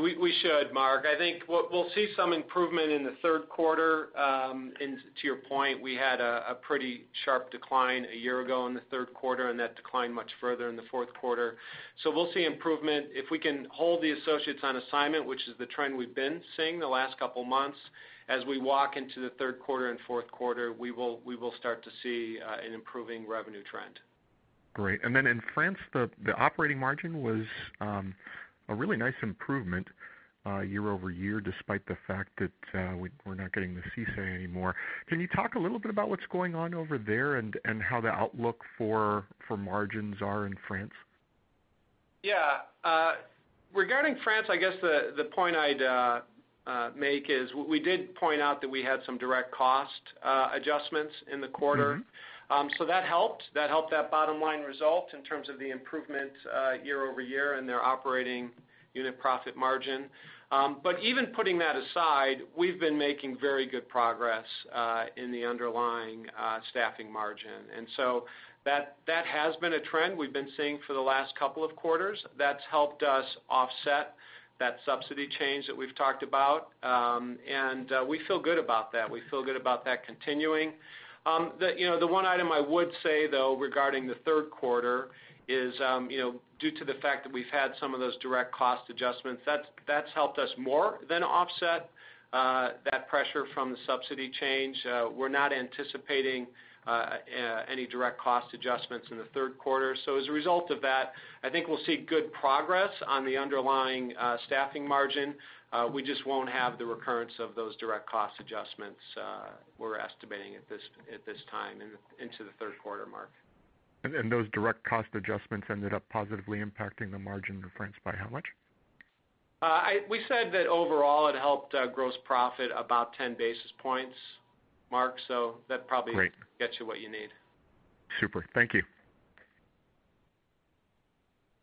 We should, Mark. I think we'll see some improvement in the third quarter. To your point, we had a pretty sharp decline a year ago in the third quarter, and that declined much further in the fourth quarter. We'll see improvement. If we can hold the associates on assignment, which is the trend we've been seeing the last couple of months, as we walk into the third quarter and fourth quarter, we will start to see an improving revenue trend. Great. Then in France, the operating margin was a really nice improvement year-over-year, despite the fact that we're not getting the CICE anymore. Can you talk a little bit about what's going on over there and how the outlook for margins are in France? Yeah. Regarding France, I guess the point I'd make is we did point out that we had some direct cost adjustments in the quarter. That helped. That helped that bottom-line result in terms of the improvement year-over-year and their operating unit profit margin. Even putting that aside, we've been making very good progress in the underlying staffing margin. That has been a trend we've been seeing for the last couple of quarters that's helped us offset that subsidy change that we've talked about. We feel good about that. We feel good about that continuing. The one item I would say, though, regarding the third quarter is, due to the fact that we've had some of those direct cost adjustments, that's helped us more than offset that pressure from the subsidy change. We're not anticipating any direct cost adjustments in the third quarter. As a result of that, I think we'll see good progress on the underlying staffing margin. We just won't have the recurrence of those direct cost adjustments we're estimating at this time into the third quarter, Mark. Those direct cost adjustments ended up positively impacting the margin in France by how much? We said that overall, it helped gross profit about 10 basis points, Mark, that probably- Great gets you what you need. Super. Thank you.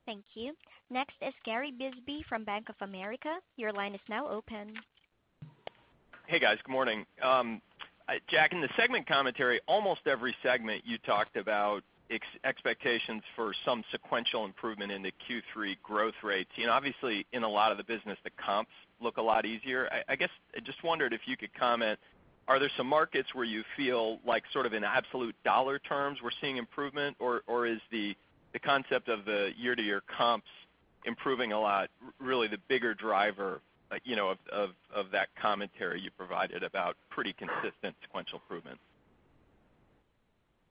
Thank you. Next is Gary Bisbee from Bank of America. Your line is now open. Hey, guys. Good morning. Jack, in the segment commentary, almost every segment you talked about expectations for some sequential improvement in the Q3 growth rates. Obviously, in a lot of the business, the comps look a lot easier. I guess I just wondered if you could comment, are there some markets where you feel like sort of in absolute dollar terms we're seeing improvement, or is the concept of the year-to-year comps improving a lot really the bigger driver of that commentary you provided about pretty consistent sequential improvements?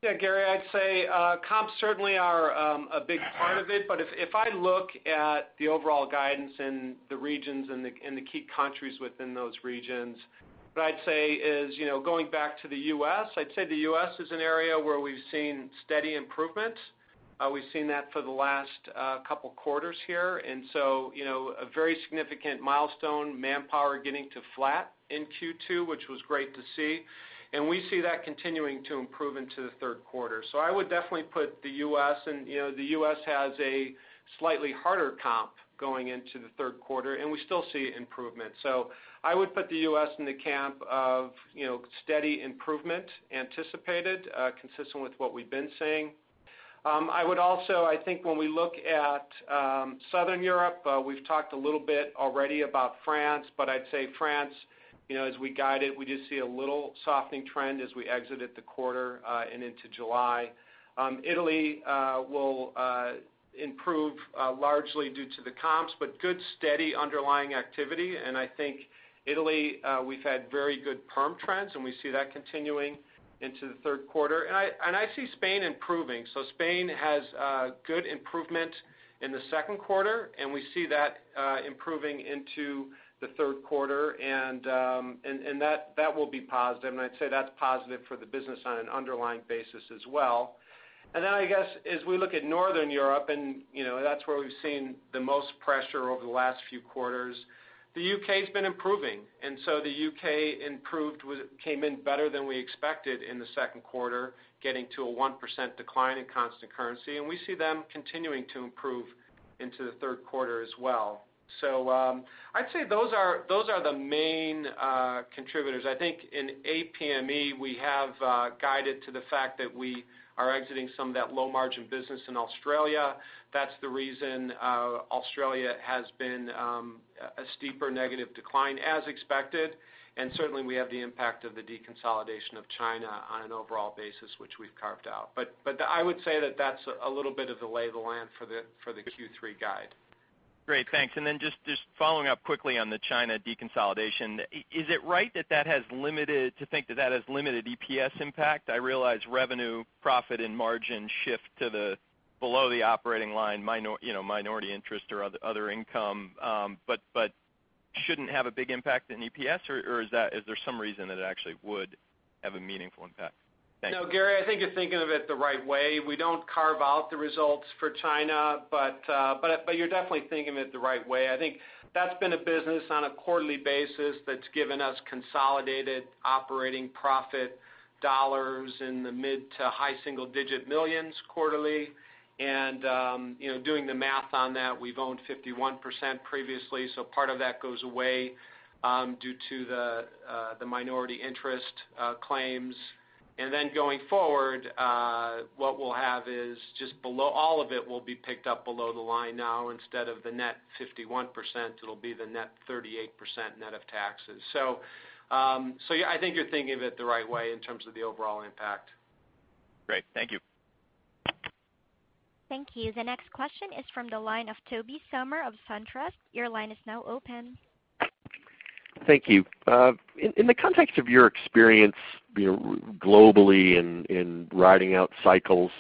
Yeah, Gary, I'd say comps certainly are a big part of it. If I look at the overall guidance in the regions and the key countries within those regions, what I'd say is going back to the U.S., I'd say the U.S. is an area where we've seen steady improvements. We've seen that for the last couple quarters here. A very significant milestone, Manpower getting to flat in Q2, which was great to see. We see that continuing to improve into the third quarter. I would definitely put the U.S., the U.S. has a slightly harder comp going into the third quarter, we still see improvement. I would put the U.S. in the camp of steady improvement anticipated, consistent with what we've been seeing. I would also, I think when we look at Southern Europe, we've talked a little bit already about France, I'd say France, as we guide it, we do see a little softening trend as we exited the quarter and into July. Italy will improve largely due to the comps, but good, steady underlying activity. I think Italy, we've had very good perm trends, we see that continuing into the third quarter. I see Spain improving. Spain has good improvement in the second quarter, we see that improving into the third quarter, that will be positive. I'd say that's positive for the business on an underlying basis as well. I guess as we look at Northern Europe, that's where we've seen the most pressure over the last few quarters. The U.K.'s been improving. The U.K. improved, came in better than we expected in the second quarter, getting to a 1% decline in constant currency. We see them continuing to improve into the third quarter as well. I'd say those are the main contributors. I think in APME, we have guided to the fact that we are exiting some of that low-margin business in Australia. That's the reason Australia has been a steeper negative decline as expected. Certainly, we have the impact of the deconsolidation of China on an overall basis, which we've carved out. I would say that that's a little bit of the lay of the land for the Q3 guide. Great. Thanks. Just following up quickly on the China deconsolidation. Is it right to think that that has limited EPS impact? I realize revenue, profit, and margin shift to below the operating line, minority interest or other income, but shouldn't have a big impact in EPS? Or is there some reason that it actually would have a meaningful impact? Thanks. No, Gary, I think you're thinking of it the right way. We don't carve out the results for China, but you're definitely thinking of it the right way. I think that's been a business on a quarterly basis that's given us consolidated operating profit dollars in the mid to high single-digit millions quarterly. Doing the math on that, we've owned 51% previously, so part of that goes away due to the minority interest claims. Then going forward, what we'll have is just all of it will be picked up below the line now. Instead of the net 51%, it'll be the net 38% net of taxes. Yeah, I think you're thinking of it the right way in terms of the overall impact. Great. Thank you. Thank you. The next question is from the line of Tobey Sommer of SunTrust. Your line is now open. Thank you. In the context of your experience globally in riding out cycles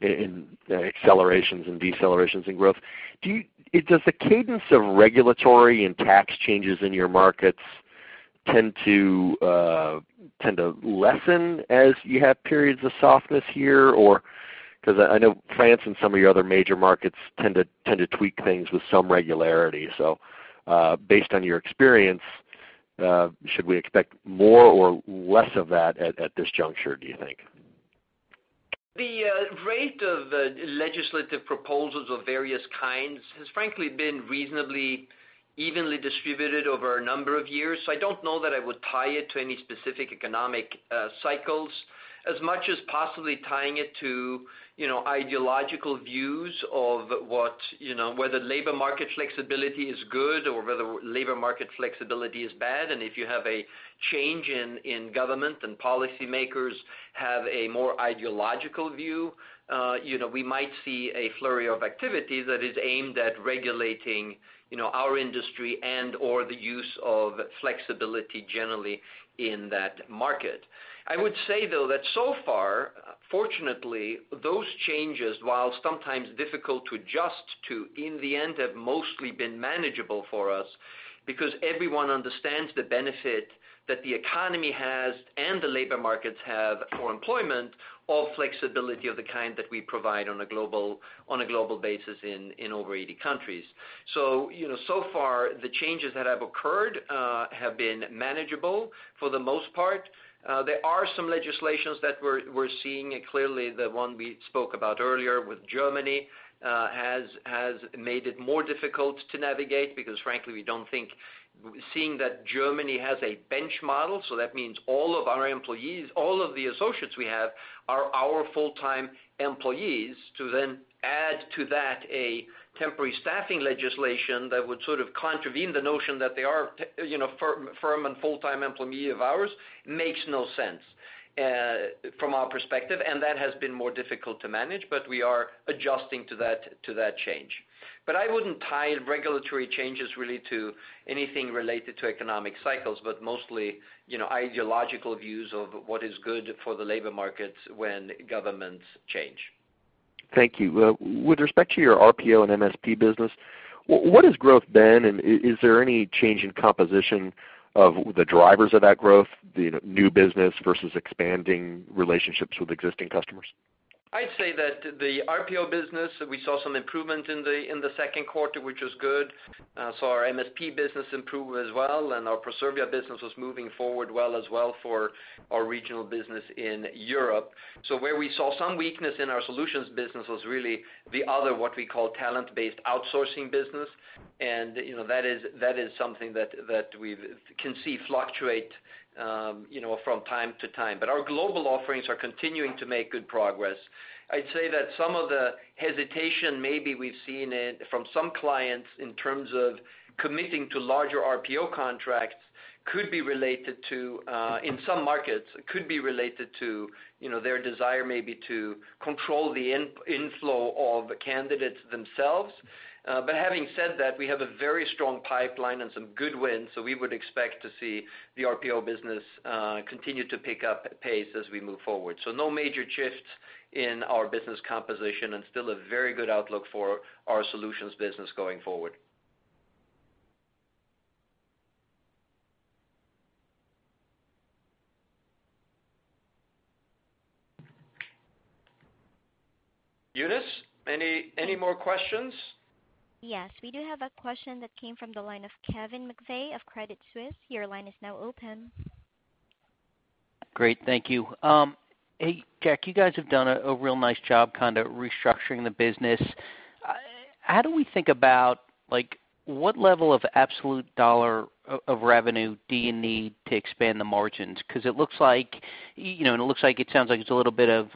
and accelerations and decelerations in growth, does the cadence of regulatory and tax changes in your markets tend to lessen as you have periods of softness here? Because I know France and some of your other major markets tend to tweak things with some regularity. Based on your experience, should we expect more or less of that at this juncture, do you think? The rate of legislative proposals of various kinds has frankly been reasonably evenly distributed over a number of years. I don't know that I would tie it to any specific economic cycles, as much as possibly tying it to ideological views of whether labor market flexibility is good or whether labor market flexibility is bad. If you have a change in government and policymakers have a more ideological view, we might see a flurry of activity that is aimed at regulating our industry and/or the use of flexibility generally in that market. I would say, though, that so far, fortunately, those changes, while sometimes difficult to adjust to, in the end, have mostly been manageable for us because everyone understands the benefit that the economy has and the labor markets have for employment of flexibility of the kind that we provide on a global basis in over 80 countries. Far, the changes that have occurred have been manageable for the most part. There are some legislations that we're seeing. Clearly, the one we spoke about earlier with Germany has made it more difficult to navigate because frankly, we don't think seeing that Germany has a bench model. That means all of our employees, all of the associates we have are our full-time employees. To add to that a temporary staffing legislation that would sort of contravene the notion that they are firm and full-time employee of ours makes no sense from our perspective, and that has been more difficult to manage, but we are adjusting to that change. I wouldn't tie regulatory changes really to anything related to economic cycles, but mostly ideological views of what is good for the labor markets when governments change. Thank you. With respect to your RPO and MSP business, what has growth been, and is there any change in composition of the drivers of that growth, new business versus expanding relationships with existing customers? I'd say that the RPO business, we saw some improvement in the second quarter, which was good. Saw our MSP business improve as well, and our Proservia business was moving forward well as well for our regional business in Europe. Where we saw some weakness in our solutions business was really the other, what we call talent-based outsourcing business. That is something that we can see fluctuate from time to time. Our global offerings are continuing to make good progress. I'd say that some of the hesitation maybe we've seen from some clients in terms of committing to larger RPO contracts, in some markets, could be related to their desire maybe to control the inflow of candidates themselves. Having said that, we have a very strong pipeline and some good wins, we would expect to see the RPO business continue to pick up pace as we move forward. No major shifts in our business composition and still a very good outlook for our solutions business going forward. Eunice, any more questions? Yes. We do have a question that came from the line of Kevin McVeigh of Credit Suisse. Your line is now open. Great. Thank you. Hey, Jack, you guys have done a real nice job restructuring the business. How do we think about what level of absolute dollar of revenue do you need to expand the margins? It looks like, it sounds like it's a little bit of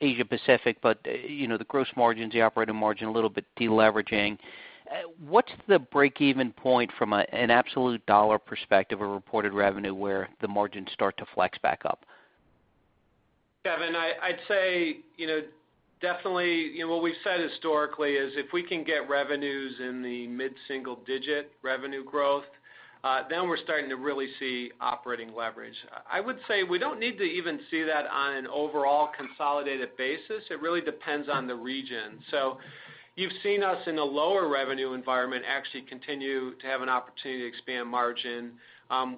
Asia-Pacific, but the gross margins, the operating margin, a little bit de-leveraging. What's the break-even point from an absolute dollar perspective of reported revenue where the margins start to flex back up? Kevin, I'd say definitely what we've said historically is if we can get revenues in the mid-single-digit revenue growth, then we're starting to really see operating leverage. I would say we don't need to even see that on an overall consolidated basis. It really depends on the region. You've seen us in a lower revenue environment actually continue to have an opportunity to expand margin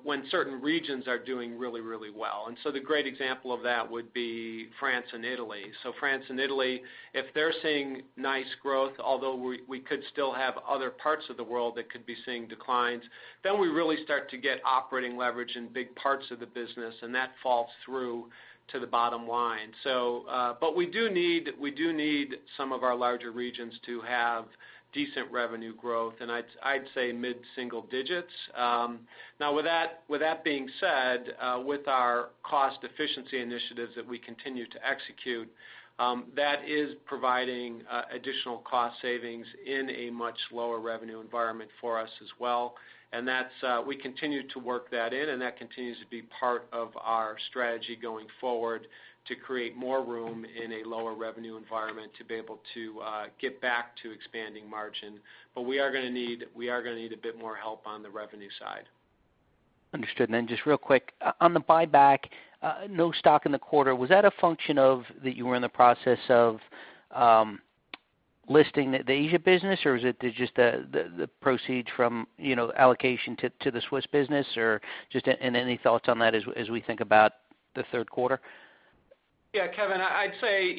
when certain regions are doing really, really well. The great example of that would be France and Italy. France and Italy, if they're seeing nice growth, although we could still have other parts of the world that could be seeing declines, then we really start to get operating leverage in big parts of the business, and that falls through to the bottom line. We do need some of our larger regions to have decent revenue growth, and I'd say mid-single digits. Now, with that being said, with our cost efficiency initiatives that we continue to execute, that is providing additional cost savings in a much lower revenue environment for us as well. We continue to work that in, and that continues to be part of our strategy going forward to create more room in a lower revenue environment to be able to get back to expanding margin. We are going to need a bit more help on the revenue side. Understood. Just real quick, on the buyback, no stock in the quarter. Was that a function of that you were in the process of listing the Asia business, or is it just the proceeds from allocation to the Swiss business? Any thoughts on that as we think about the third quarter? Yeah, Kevin, I'd say,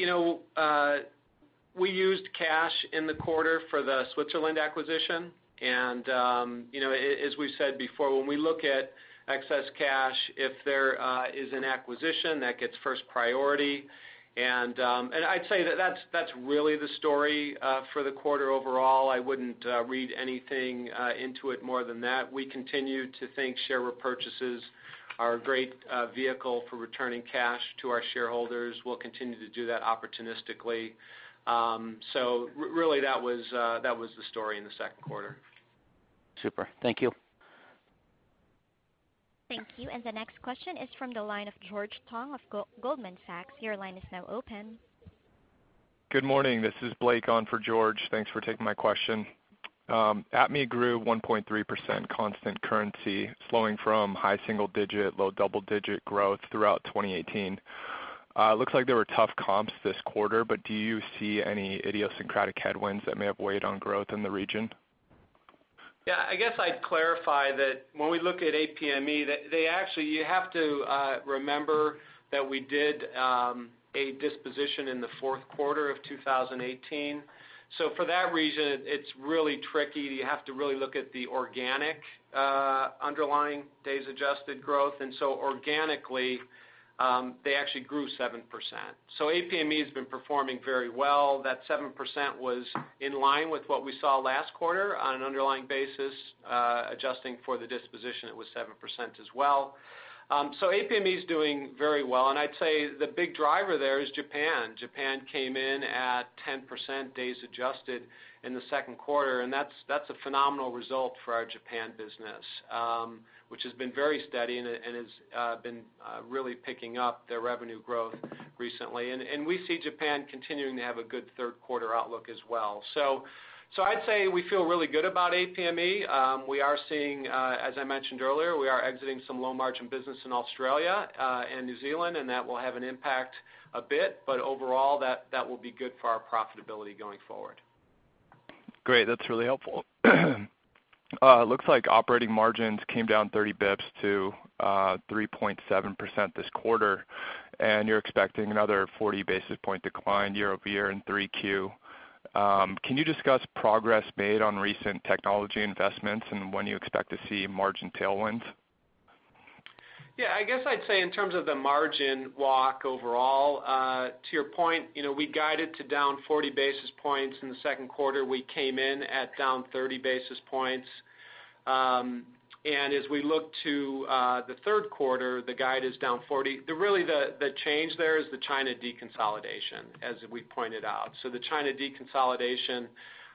we used cash in the quarter for the Switzerland acquisition. As we've said before, when we look at excess cash, if there is an acquisition, that gets first priority. I'd say that's really the story for the quarter overall. I wouldn't read anything into it more than that. We continue to think share repurchases are a great vehicle for returning cash to our shareholders. We'll continue to do that opportunistically. Really, that was the story in the second quarter. Super. Thank you. Thank you. The next question is from the line of George Tong of Goldman Sachs. Your line is now open. Good morning. This is Blake on for George. Thanks for taking my question. APME grew 1.3% constant currency, slowing from high single digit, low double-digit growth throughout 2018. Do you see any idiosyncratic headwinds that may have weighed on growth in the region? I guess I'd clarify that when we look at APME, actually, you have to remember that we did a disposition in the fourth quarter of 2018. For that reason, it's really tricky. You have to really look at the organic underlying days adjusted growth. Organically, they actually grew 7%. APME has been performing very well. That 7% was in line with what we saw last quarter on an underlying basis. Adjusting for the disposition, it was 7% as well. APME is doing very well, and I'd say the big driver there is Japan. Japan came in at 10% days adjusted in the second quarter, and that's a phenomenal result for our Japan business, which has been very steady and has been really picking up their revenue growth recently. We see Japan continuing to have a good third quarter outlook as well. I'd say we feel really good about APME. As I mentioned earlier, we are exiting some low-margin business in Australia and New Zealand, and that will have an impact a bit, but overall, that will be good for our profitability going forward. Great. That's really helpful. Looks like operating margins came down 30 basis points to 3.7% this quarter, and you're expecting another 40-basis-point decline year-over-year in 3Q. Can you discuss progress made on recent technology investments and when you expect to see margin tailwinds? I guess I'd say in terms of the margin walk overall, to your point, we guided to down 40 basis points in the second quarter. We came in at down 30 basis points. As we look to the third quarter, the guide is down 40. The change there is the China deconsolidation, as we pointed out. The China deconsolidation,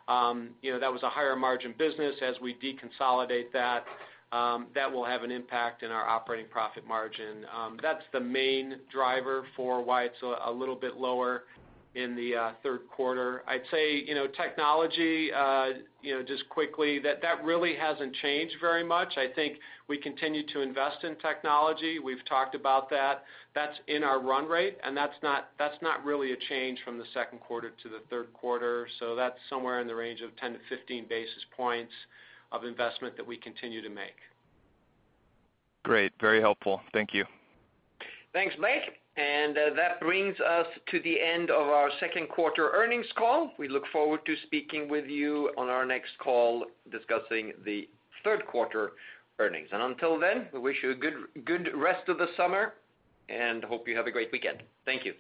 that was a higher margin business. As we deconsolidate that will have an impact in our operating profit margin. That's the main driver for why it's a little bit lower in the third quarter. I'd say technology, just quickly, that really hasn't changed very much. I think we continue to invest in technology. We've talked about that. That's in our run rate, and that's not really a change from the second quarter to the third quarter. That's somewhere in the range of 10 to 15 basis points of investment that we continue to make. Great. Very helpful. Thank you. Thanks, Blake. That brings us to the end of our second quarter earnings call. We look forward to speaking with you on our next call discussing the third quarter earnings. Until then, we wish you a good rest of the summer and hope you have a great weekend. Thank you.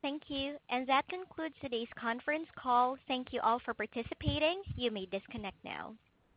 Thank you. That concludes today's conference call. Thank you all for participating. You may disconnect now.